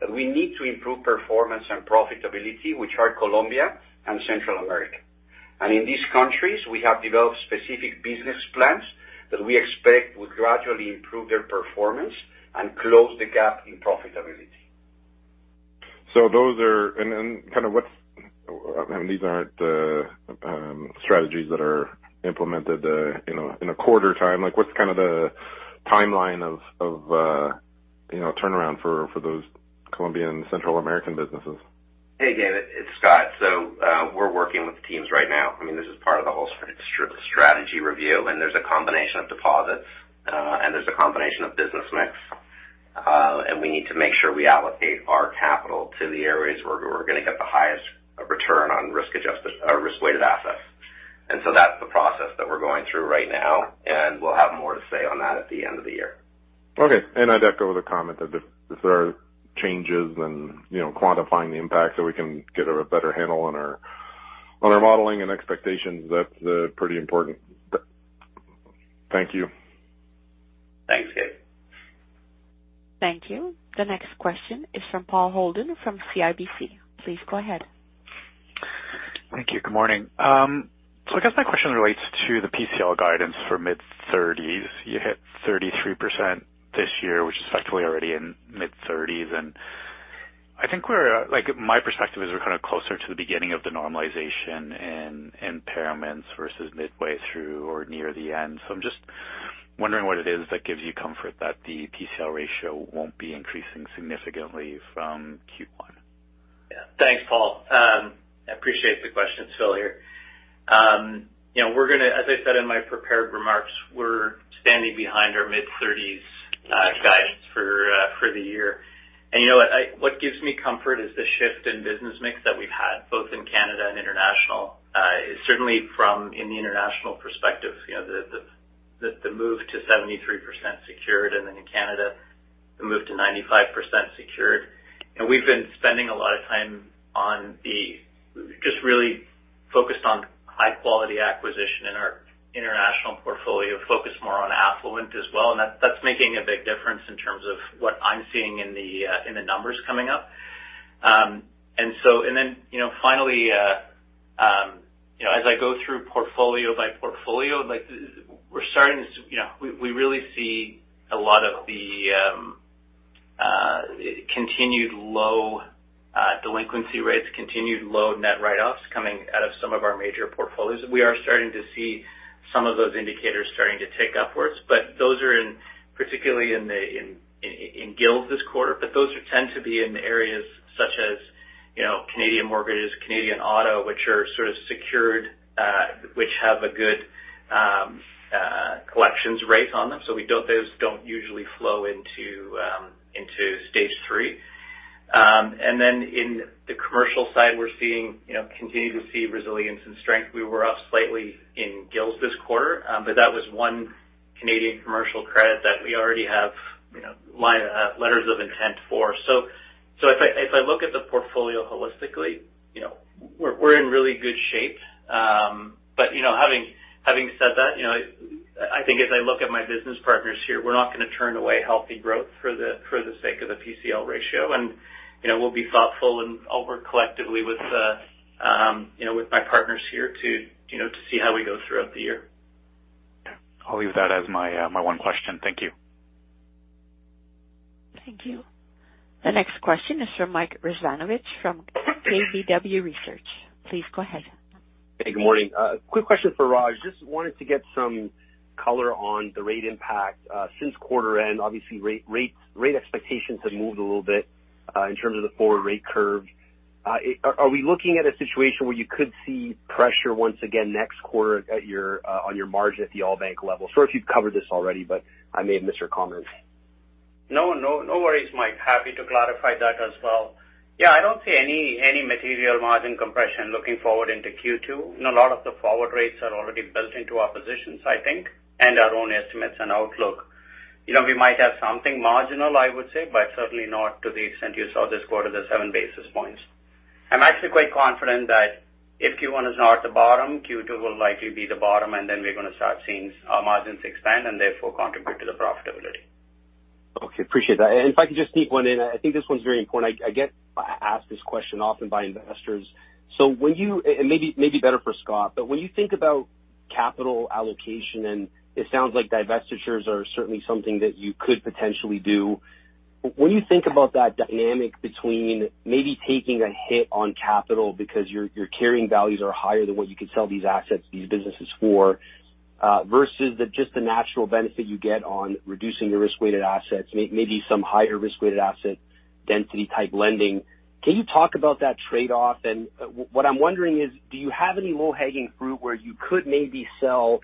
that we need to improve performance and profitability, which are Colombia and Central America. In these countries, we have developed specific business plans that we expect would gradually improve their performance and close the gap in profitability. Those are, and kind of what's, I mean, these aren't strategies that are implemented, you know, in a quarter time. Like, what's kind of the timeline of, you know, turnaround for those Colombian Central American businesses? Hey, Gabe, it's Scott. We're working with teams right now. I mean, this is part of the whole strategy review, and there's a combination of deposits, and there's a combination of business mix. We need to make sure we allocate our capital to the areas where we're going to get the highest return on risk-weighted assets. That's the process that we're going through right now, and we'll have more to say on that at the end of the year. Okay. I'd echo the comment that if there are changes and, you know, quantifying the impact so we can get a better handle on our, on our modeling and expectations, that's pretty important. Thank you. Thanks, Gabe. Thank you. The next question is from Paul Holden from CIBC. Please go ahead. Thank you. Good morning. I guess my question relates to the PCL guidance for mid-thirties. You hit 33% this year, which is actually already in mid-thirties. Like, my perspective is we're kind of closer to the beginning of the normalization in impairments versus midway through or near the end. I'm just wondering what it is that gives you comfort that the PCL ratio won't be increasing significantly from Q1. Yeah. Thanks, Paul. I appreciate the question. It's Phil here. You know, as I said in my prepared remarks, we're standing behind our mid-30s guidance for the year. What gives me comfort is the shift in business mix that we've had both in Canada and international. Certainly from, in the international perspective, you know, the move to 73% secured, and then in Canada, the move to 95% secured. We've been spending a lot of time just really focused on high-quality acquisition in our international portfolio, focus more on affluent as well. That's making a big difference in terms of what I'm seeing in the numbers coming up. Then, you know, finally, you know, as I go through portfolio by portfolio, like we're starting to, you know, we really see a lot of the continued low delinquency rates, continued low net write-offs coming out of some of our major portfolios. We are starting to see some of those indicators starting to tick upwards. Those are in, particularly in GILs this quarter. Those tend to be in areas such as, you know, Canadian mortgages, Canadian auto, which are sort of secured, which have a good collections rate on them. Those don't usually flow into stage three. Then in the commercial side, we're seeing, you know, continue to see resilience and strength. We were up slightly in GILs this quarter, but that was one Canadian commercial credit that we already have, you know, letters of intent for. If I look at the portfolio holistically, you know, we're in really good shape. You know, having said that, you know, I think as I look at my business partners here, we're not going to turn away healthy growth for the sake of the PCL ratio. You know, we'll be thoughtful, and I'll work collectively with, you know, with my partners here to, you know, to see how we go throughout the year. Yeah. I'll leave that as my one question. Thank you. Thank you. The next question is from Mike Rizvanovic from KBW Research. Please go ahead. Hey, good morning. Quick question for Raj. Just wanted to get some color on the rate impact, since quarter end. Obviously, rate expectations have moved a little bit, in terms of the forward rate curve. Are we looking at a situation where you could see pressure once again next quarter on your margin at the all bank level? Sorry if you've covered this already, I may have missed your comments. No, no worries, Mike. Happy to clarify that as well. Yeah, I don't see any material margin compression looking forward into Q2. You know, a lot of the forward rates are already built into our positions, I think, and our own estimates and outlook. You know, we might have something marginal, I would say, but certainly not to the extent you saw this quarter, the 7 basis points. I'm actually quite confident that if Q1 is not the bottom, Q2 will likely be the bottom, and then we're going to start seeing our margins expand and therefore contribute to the profitability. Okay, appreciate that. If I could just sneak one in. I think this one's very important. I ask this question often by investors. When you think about capital allocation, and it sounds like divestitures are certainly something that you could potentially do. When you think about that dynamic between maybe taking a hit on capital because your carrying values are higher than what you could sell these assets, these businesses for, versus the just the natural benefit you get on reducing your risk-weighted assets, some higher risk-weighted asset density type lending. Can you talk about that trade-off? What I'm wondering is, do you have any low-hanging fruit where you could maybe sell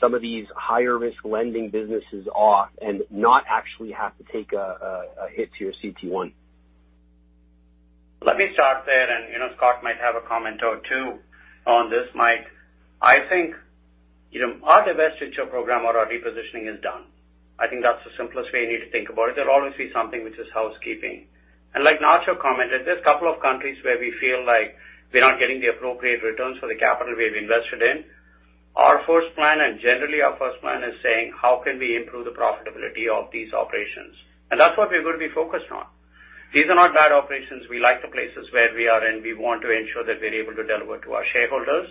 some of these higher risk lending businesses off and not actually have to take a hit to your CT1? Let me start there, you know, Scott might have a comment or two on this, Mike. I think, you know, our divestiture program or our repositioning is done. I think that's the simplest way you need to think about it. There'll always be something which is housekeeping. Like Nacio commented, there's a couple of countries where we feel like we're not getting the appropriate returns for the capital we have invested in. Our first plan and generally our first plan is saying, how can we improve the profitability of these operations? That's what we're going to be focused on. These are not bad operations. We like the places where we are in. We want to ensure that we're able to deliver to our shareholders.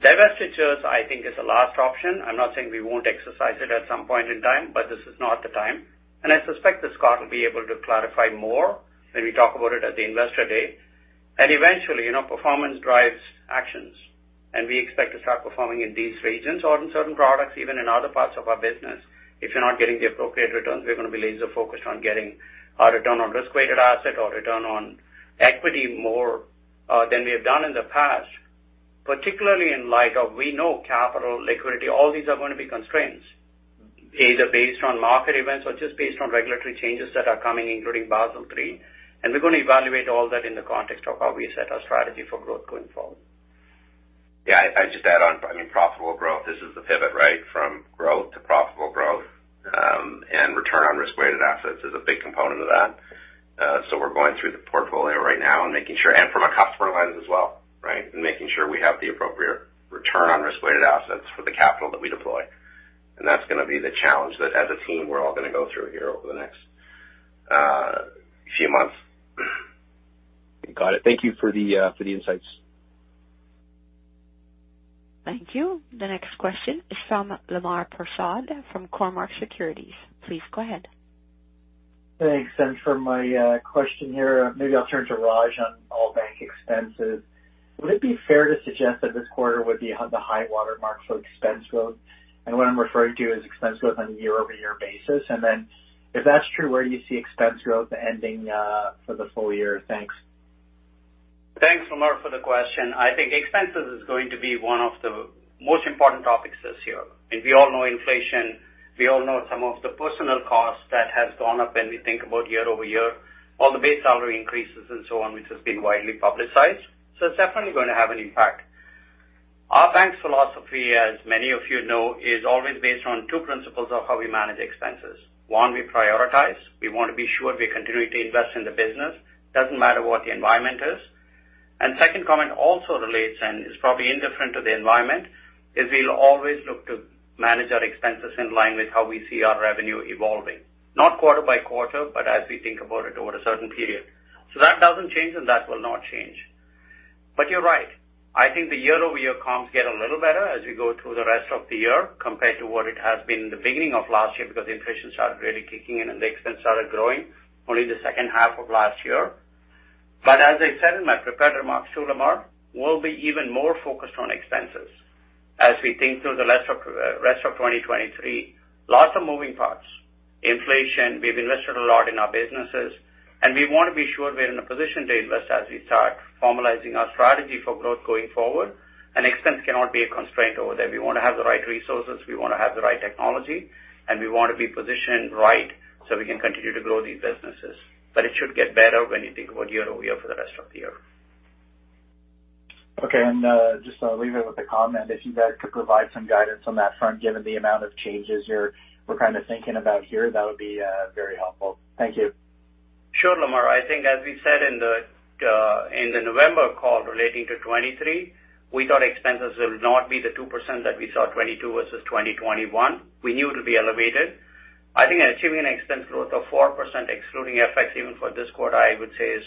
Divestitures, I think, is the last option. I'm not saying we won't exercise it at some point in time, but this is not the time. I suspect that Scott will be able to clarify more when we talk about it at the Investor Day. Eventually, you know, performance drives actions, and we expect to start performing in these regions or in certain products, even in other parts of our business. If you're not getting the appropriate returns, we're going to be laser-focused on getting our return on risk-weighted asset or return on equity more than we have done in the past. Particularly in light of we know capital, liquidity, all these are going to be constraints, either based on market events or just based on regulatory changes that are coming, including Basel III. We're going to evaluate all that in the context of how we set our strategy for growth going forward. Yeah. I just add on, I mean, profitable growth. This is the pivot, right? From growth to profitable growth, and return on risk-weighted assets is a big component of that. We're going through the portfolio right now. From a customer lens as well, right? Making sure we have the appropriate return on risk-weighted assets for the capital that we deploy. That's gonna be the challenge that as a team, we're all gonna go through here over the next few months. Got it. Thank you for the insights. Thank you. The next question is from Lemar Persaud, from Cormark Securities. Please go ahead. Thanks. For my question here, maybe I'll turn to Raj on all bank expenses. Would it be fair to suggest that this quarter would be the high watermark for expense growth? What I'm referring to is expense growth on a year-over-year basis. If that's true, where you see expense growth ending for the full year? Thanks. Thanks, Lamar, for the question. I think expenses is going to be one of the most important topics this year. We all know inflation. We all know some of the personnel costs that has gone up when we think about year-over-year, all the base salary increases and so on, which has been widely publicized. It's definitely going to have an impact. Our bank's philosophy, as many of you know, is always based on two principles of how we manage expenses. One, we prioritize. We want to be sure we continue to invest in the business. Doesn't matter what the environment is. Second comment also relates and is probably indifferent to the environment, is we'll always look to manage our expenses in line with how we see our revenue evolving. Not quarter by quarter, but as we think about it over a certain period. That doesn't change and that will not change. You're right. I think the year-over-year comps get a little better as we go through the rest of the year compared to what it has been in the beginning of last year because inflation started really kicking in and the expense started growing only in the second half of last year. As I said in my prepared remarks to Lemar, we'll be even more focused on expenses as we think through the rest of 2023. Lots of moving parts. Inflation, we've invested a lot in our businesses, and we want to be sure we're in a position to invest as we start formalizing our strategy for growth going forward. Expense cannot be a constraint over there. We want to have the right resources, we want to have the right technology, and we want to be positioned right so we can continue to grow these businesses. It should get better when you think about year-over-year for the rest of the year. Okay. just leave it with a comment. If you guys could provide some guidance on that front given the amount of changes we're kind of thinking about here, that would be very helpful. Thank you. Sure, Lamar. I think as we said in the November call relating to 2023, we thought expenses will not be the 2% that we saw 2022 versus 2021. We knew it'll be elevated. I think achieving an expense growth of 4% excluding FX even for this quarter, I would say is,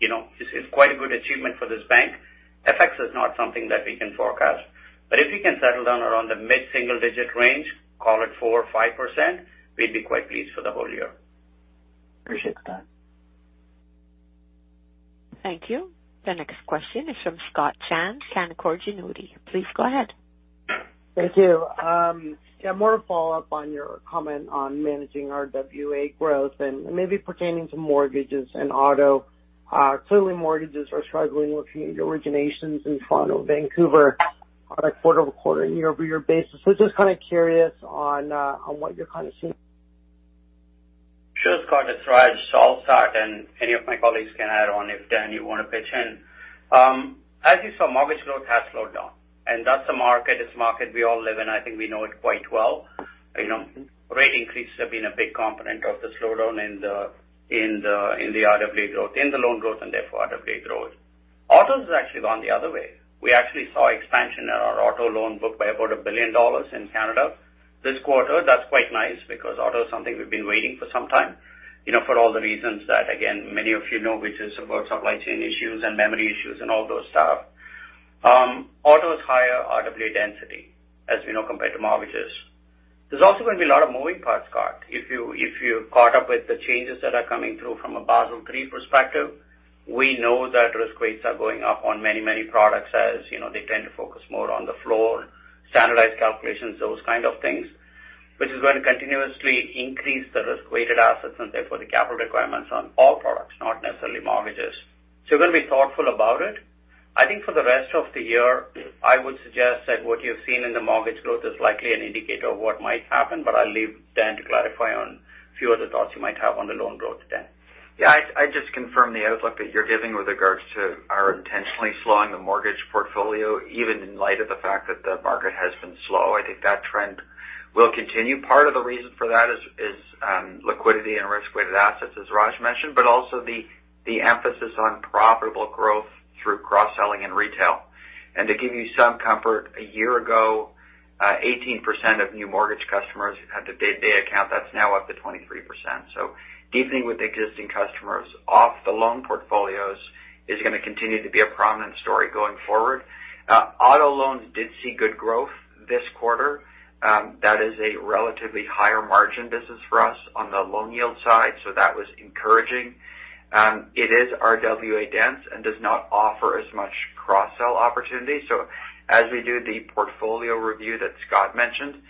you know, this is quite a good achievement for this bank. FX is not something that we can forecast. If we can settle down around the mid-single digit range, call it 4% or 5%, we'd be quite pleased for the whole year. Appreciate the time. Thank you. The next question is from Scott Chan, Canaccord Genuity. Please go ahead. Thank you. Yeah, more to follow up on your comment on managing our RWA growth and maybe pertaining to mortgages and auto. Clearly mortgages are struggling with originations in Toronto, Vancouver, on a quarter-over-quarter and year-over-year basis. Just kind of curious on what you're kind of seeing. Sure, Scott. It's Raj Viswanathan, and any of my colleagues can add on if Dan you want to pitch in. As you saw, mortgage growth has slowed down. That's a market, it's a market we all live in. I think we know it quite well. You know, rate increases have been a big component of the slowdown in the RWA growth, in the loan growth and therefore RWA growth. Autos has actually gone the other way. We actually saw expansion in our auto loan book by about 1 billion dollars in Canada this quarter. That's quite nice because auto is something we've been waiting for some time, you know, for all the reasons that, again, many of you know, which is about supply chain issues and memory issues and all those stuff. Auto is higher RWA density, as you know, compared to mortgages. There's also going to be a lot of moving parts, Scott. If you caught up with the changes that are coming through from a Basel III perspective, we know that risk weights are going up on many products as, you know, they tend to focus more on the floor, standardized calculations, those kind of things, which is going to continuously increase the risk-weighted assets and therefore the capital requirements on all products, not necessarily mortgages. We're going to be thoughtful about it. I think for the rest of the year, I would suggest that what you've seen in the mortgage growth is likely an indicator of what might happen, but I'll leave Dan to clarify on a few other thoughts you might have on the loan growth. Dan. Yeah. I'd just confirm the outlook that you're giving with regards to our intentionally slowing the mortgage portfolio, even in light of the fact that the market has been slow. I think that trend will continue. Part of the reason for that is liquidity and risk-weighted assets, as Raj mentioned, but also the emphasis on profitable growth through cross-selling and retail. To give you some comfort, a year ago, 18% of new mortgage customers had the big day account. That's now up to 23%. Deepening with existing customers off the loan portfolios is gonna continue to be a prominent story going forward. Auto loans did see good growth this quarter. That is a relatively higher margin business for us on the loan yield side. That was encouraging. It is RWA dense and does not offer as much cross-sell opportunity. As we do the portfolio review that Scott mentioned,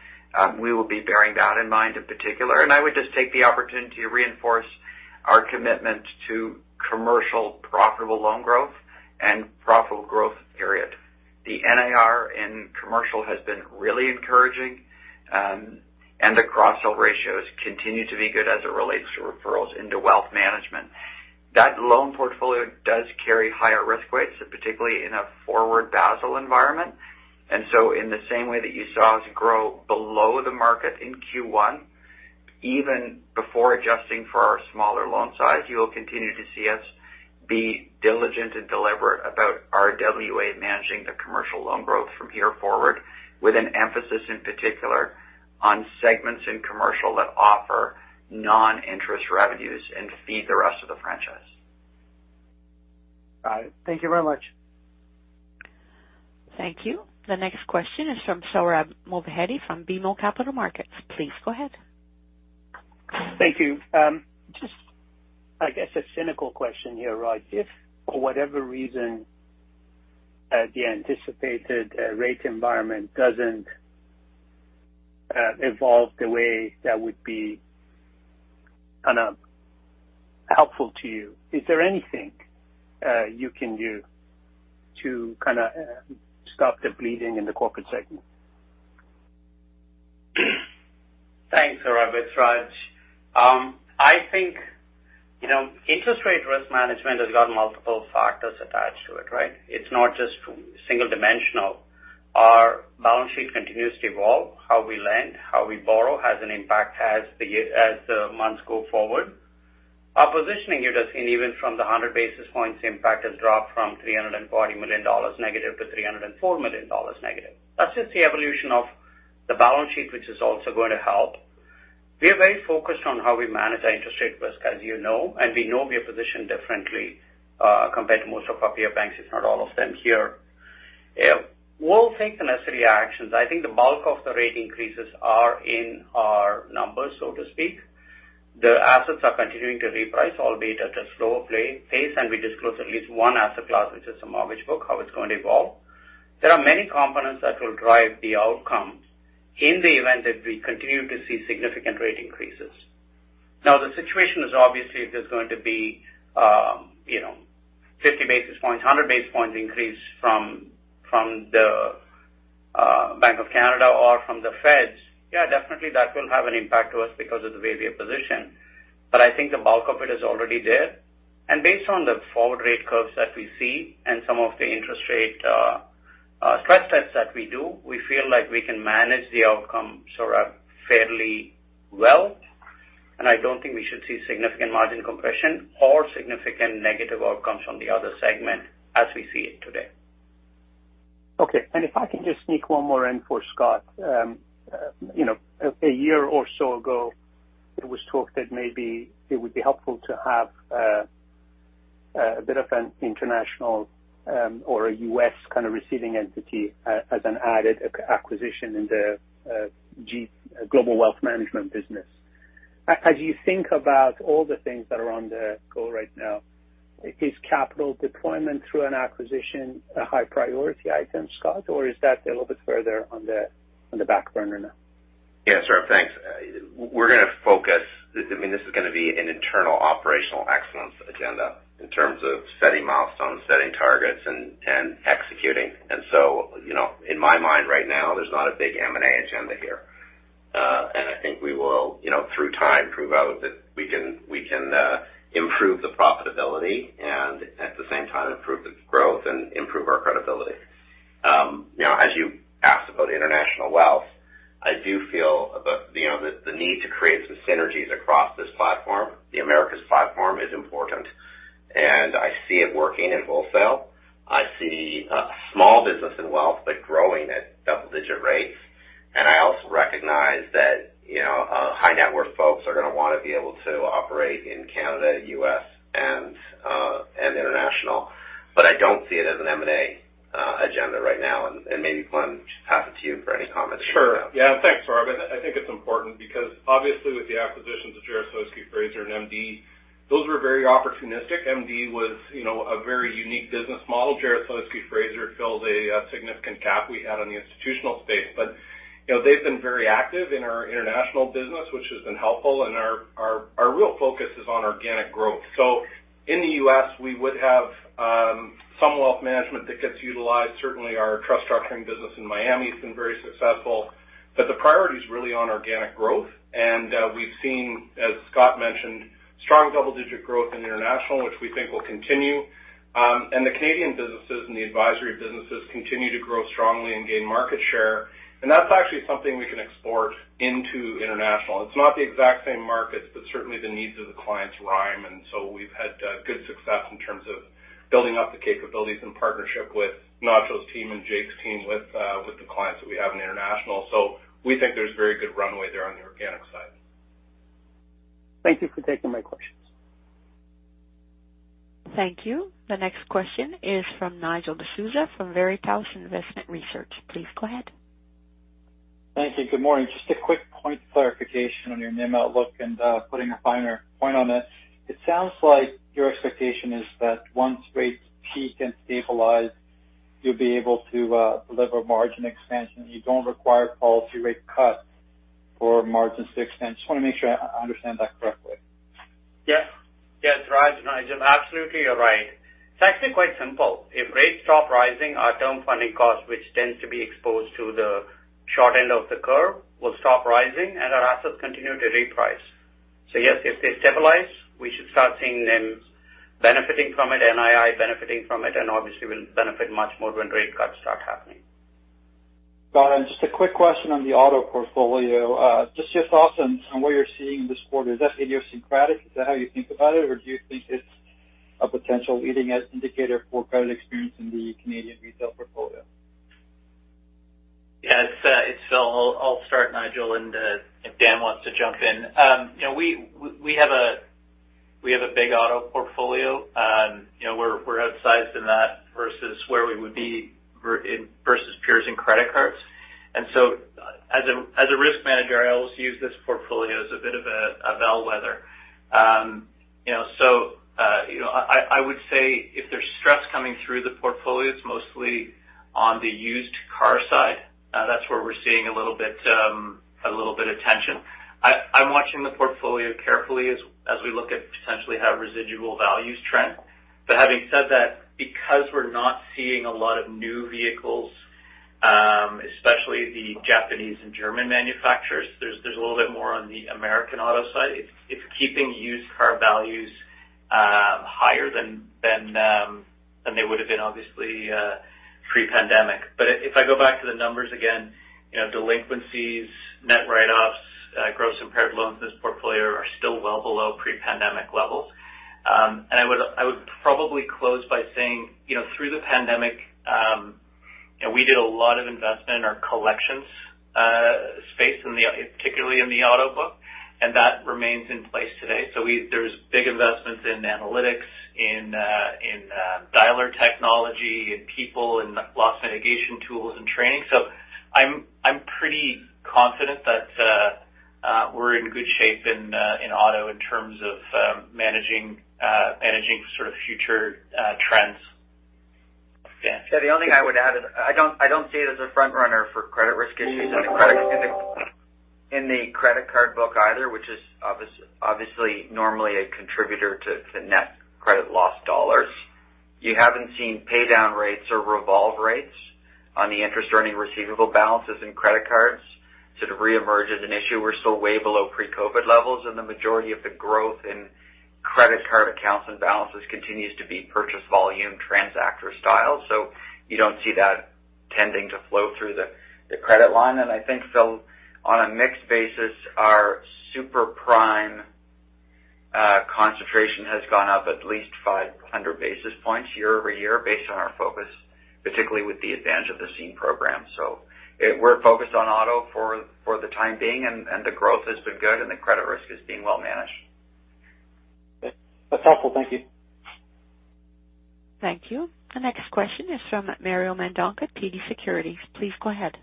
we will be bearing that in mind in particular. I would just take the opportunity to reinforce our commitment to commercial profitable loan growth and profitable growth period. The NIR in commercial has been really encouraging, and the cross-sell ratios continue to be good as it relates to referrals into wealth management. That loan portfolio does carry higher risk weights, particularly in a forward Basel environment. In the same way that you saw us grow below the market in Q1, even before adjusting for our smaller loan size, you will continue to see us be diligent and deliberate about RWA managing the commercial loan growth from here forward, with an emphasis in particular on segments in commercial that offer non-interest revenues and feed the rest of the franchise. Got it. Thank you very much. Thank you. The next question is from Sohrab Movahedi from BMO Capital Markets. Please go ahead. Thank you. Just, I guess a cynical question here, Raj. If for whatever reason, the anticipated rate environment doesn't evolve the way that would be kind of helpful to you, is there anything you can do to kind of stop the bleeding in the corporate segment? Thanks, Sohrab. It's Raj. I think, you know, interest rate risk management has got multiple factors attached to it, right? It's not just single dimensional. Our balance sheet continues to evolve. How we lend, how we borrow has an impact as the months go forward. Our positioning, you'd have seen even from the 100 basis points impact, has dropped from -340 million--304 million dollars. That's just the evolution of the balance sheet, which is also going to help. We are very focused on how we manage our interest rate risk, as you know, and we know we are positioned differently compared to most of our peer banks, if not all of them here. We'll take the necessary actions. I think the bulk of the rate increases are in our numbers, so to speak. The assets are continuing to reprice, albeit at a slower pace, and we disclose at least one asset class, which is the mortgage book, how it's going to evolve. There are many components that will drive the outcomes in the event that we continue to see significant rate increases. Now, the situation is obviously there's going to be, you know, 50 basis points, 100 basis points increase from the Bank of Canada or from the Feds. Yeah, definitely that will have an impact to us because of the way we are positioned. I think the bulk of it is already there. Based on the forward rate curves that we see and some of the interest rate stress tests that we do, we feel like we can manage the outcome sort of fairly well. I don't think we should see significant margin compression or significant negative outcomes from the other segment as we see it today. Okay. If I can just sneak one more in for Scott. you know, a year or so ago, there was talk that maybe it would be helpful to have a bit of an international or a U.S. kind of receiving entity as an added acquisition in the Global Wealth Management business. As you think about all the things that are on the go right now, is capital deployment through an acquisition a high priority item, Scott? Or is that a little bit further on the, on the back burner now? Yeah, Sohrab. Thanks. We're gonna focus. I mean, this is gonna be an internal operational excellence agenda in terms of setting milestones, setting targets, and executing. You know, in my mind right now, there's not a big M&A agenda here. I think we will, you know, through time prove out that we can, we can improve the profitability and at the same time improve the growth and improve our credibility. Now, as you asked about international wealth, I do feel the, you know, the need to create some synergies across this platform. The Americas platform is important. I see it working in wholesale. I see small business and wealth, but growing at double-digit rates. I also recognize that, you know, high net worth folks are gonna wanna be able to operate in Canada, U.S., and international. I don't see it as an M&A agenda right now. Maybe Glen, pass it to you for any comments. Sure. Yeah. Thanks, Rob. I think it's important because obviously with the acquisitions of Jarislowsky Fraser and MD Financial Management, those were very opportunistic. MD Financial Management was, you know, a very unique business model. Jarislowsky Fraser filled a significant gap we had on the institutional space. You know, they've been very active in our International Banking, which has been helpful, and our real focus is on organic growth. In the U.S., we would have some wealth management that gets utilized. Certainly, our trust structuring business in Miami has been very successful, but the priority is really on organic growth. We've seen, as Scott mentioned, strong double-digit growth in International Banking, which we think will continue. The Canadian businesses and the advisory businesses continue to grow strongly and gain market share. That's actually something we can export into International Banking. It's not the exact same markets, but certainly the needs of the clients rhyme. We've had good success in terms of building up the capabilities in partnership with Nacio's team and Jake's team with the clients that we have in international. We think there's very good runway there on the organic side. Thank you for taking my questions. Thank you. The next question is from Nigel D'Souza from Veritas Investment Research. Please go ahead. Thank you. Good morning. Just a quick point clarification on your NIM outlook and putting a finer point on it. It sounds like your expectation is that once rates peak and stabilize, you'll be able to deliver margin expansion. You don't require policy rate cuts for margin to expand. Just want to make sure I understand that correctly. Yeah. Yes, Raj, Nigel, absolutely you're right. It's actually quite simple. If rates stop rising, our term funding cost, which tends to be exposed to the short end of the curve, will stop rising and our assets continue to reprice. Yes, if they stabilize, we should start seeing NIMs benefiting from it, NII benefiting from it, and obviously we'll benefit much more when rate cuts start happening. Got it. Just a quick question on the auto portfolio, just your thoughts on what you're seeing in this quarter. Is that idiosyncratic? Is that how you think about it, or do you think it's a potential leading indicator for credit experience in the Canadian retail portfolio? Yes, it's Phil. I'll start, Nigel, and if Dan wants to jump in. You know, we have a big auto portfolio. You know, we're outsized in that versus where we would be versus peers in credit cards. As a risk manager, I always use this portfolio as a bit of a bellwether. You know, I would say if there's stress coming through the portfolio, it's mostly on the used car side. That's where we're seeing a little bit, a little bit of tension. I'm watching the portfolio carefully as we look at potentially how residual values trend. Having said that, because we're not seeing a lot of new vehicles, especially the Japanese and German manufacturers, there's a little bit more on the American auto side. It's keeping used car values higher than they would have been obviously pre-pandemic. If I go back to the numbers again, you know, delinquencies, net write-offs, Gross Impaired Loans in this portfolio are still well below pre-pandemic levels. And I would probably close by saying, you know, through the pandemic, you know, we did a lot of investment in our collections space in the, particularly in the auto book, and that remains in place today. There's big investments in analytics, in dialer technology, in people, in loss mitigation tools and training. I'm pretty confident that we're in good shape in auto in terms of managing sort of future trends, Dan. Yeah. The only thing I would add is I don't see it as a front runner for credit risk issues in the credit, in the credit card book either, which is obviously normally a contributor to net credit loss dollars. You haven't seen pay down rates or revolve rates on the interest earning receivable balances in credit cards sort of reemerge as an issue. We're still way below pre-COVID levels. The majority of the growth in credit card accounts and balances continues to be purchase volume transactor style. You don't see that tending to flow through the credit line. I think Phil, on a mixed basis, our super prime concentration has gone up at least 500 basis points year-over-year based on our focus, particularly with the advantage of the Scene program. We're focused on auto for the time being, and the growth has been good and the credit risk is being well managed. That's helpful. Thank you. Thank you. The next question is from Mario Mendonca, TD Securities. Please go ahead.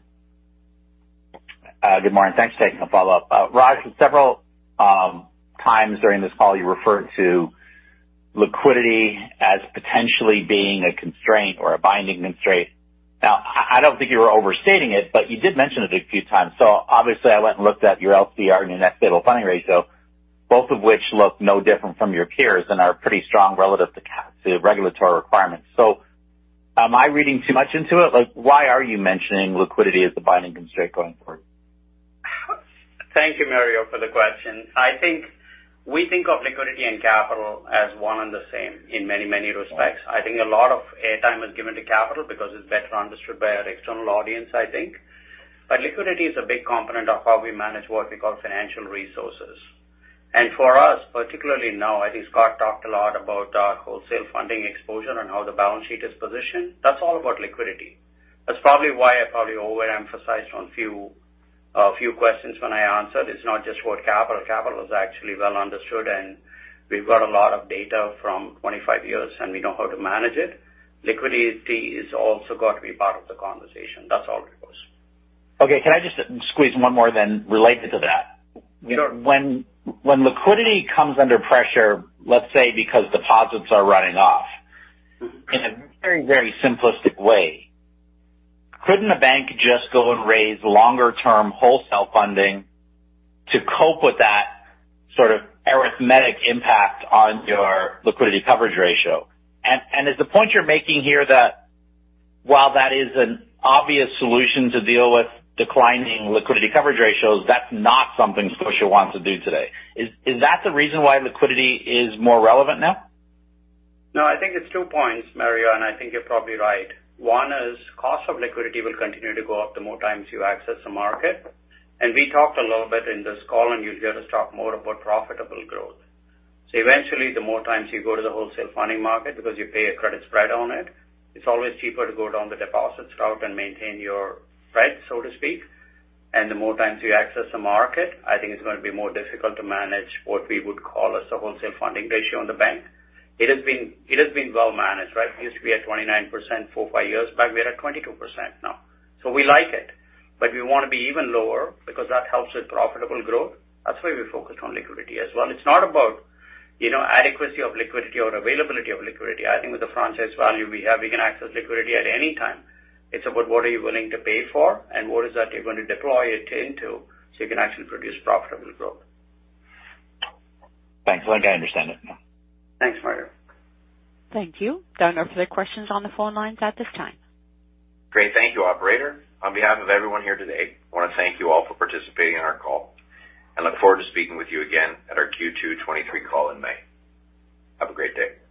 Good morning. Thanks for taking a follow-up. Raj, several times during this call you referred to liquidity as potentially being a constraint or a binding constraint. Now, I don't think you were overstating it, but you did mention it a few times. Obviously I went and looked at your LCR and your Net Stable Funding Ratio, both of which look no different from your peers and are pretty strong relative to regulatory requirements. Am I reading too much into it? Like, why are you mentioning liquidity as the binding constraint going forward? Thank you, Mario, for the question. I think we think of liquidity and capital as one and the same in many, many respects. I think a lot of airtime is given to capital because it's better understood by our external audience, I think. Liquidity is a big component of how we manage what we call financial resources. For us, particularly now, I think Scott talked a lot about our wholesale funding exposure and how the balance sheet is positioned. That's all about liquidity. That's probably why I probably overemphasized on few questions when I answered. It's not just for capital. Capital is actually well understood, and we've got a lot of data from 25 years, and we know how to manage it. Liquidity has also got to be part of the conversation. That's all it was. Okay. Can I just squeeze one more then related to that? Sure. When liquidity comes under pressure, let's say because deposits are running off, in a very, very simplistic way, couldn't a bank just go and raise longer term wholesale funding to cope with that sort of arithmetic impact on your liquidity coverage ratio? Is the point you're making here that while that is an obvious solution to deal with declining liquidity coverage ratios, that's not something Scotia wants to do today? Is that the reason why liquidity is more relevant now? No, I think it's two points, Mario, and I think you're probably right. One is cost of liquidity will continue to go up the more times you access the market. We talked a little bit in this call, and you'll hear us talk more about profitable growth. Eventually, the more times you go to the wholesale funding market because you pay a credit spread on it's always cheaper to go down the deposit route and maintain your spread, so to speak. The more times you access the market, I think it's going to be more difficult to manage what we would call as a wholesale funding ratio on the bank. It has been well managed, right? We used to be at 29% four, five years back. We're at 22% now. We like it, but we want to be even lower because that helps with profitable growth. That's why we're focused on liquidity as well. It's not about, you know, adequacy of liquidity or availability of liquidity. I think with the franchise value we have, we can access liquidity at any time. It's about what are you willing to pay for and what is that you're going to deploy it into so you can actually produce profitable growth. Thanks. I think I understand it now. Thanks, Mario. Thank you. There are no further questions on the phone lines at this time. Great. Thank you, operator. On behalf of everyone here today, I want to thank you all for participating in our call and look forward to speaking with you again at our Q2 2023 call in May. Have a great day.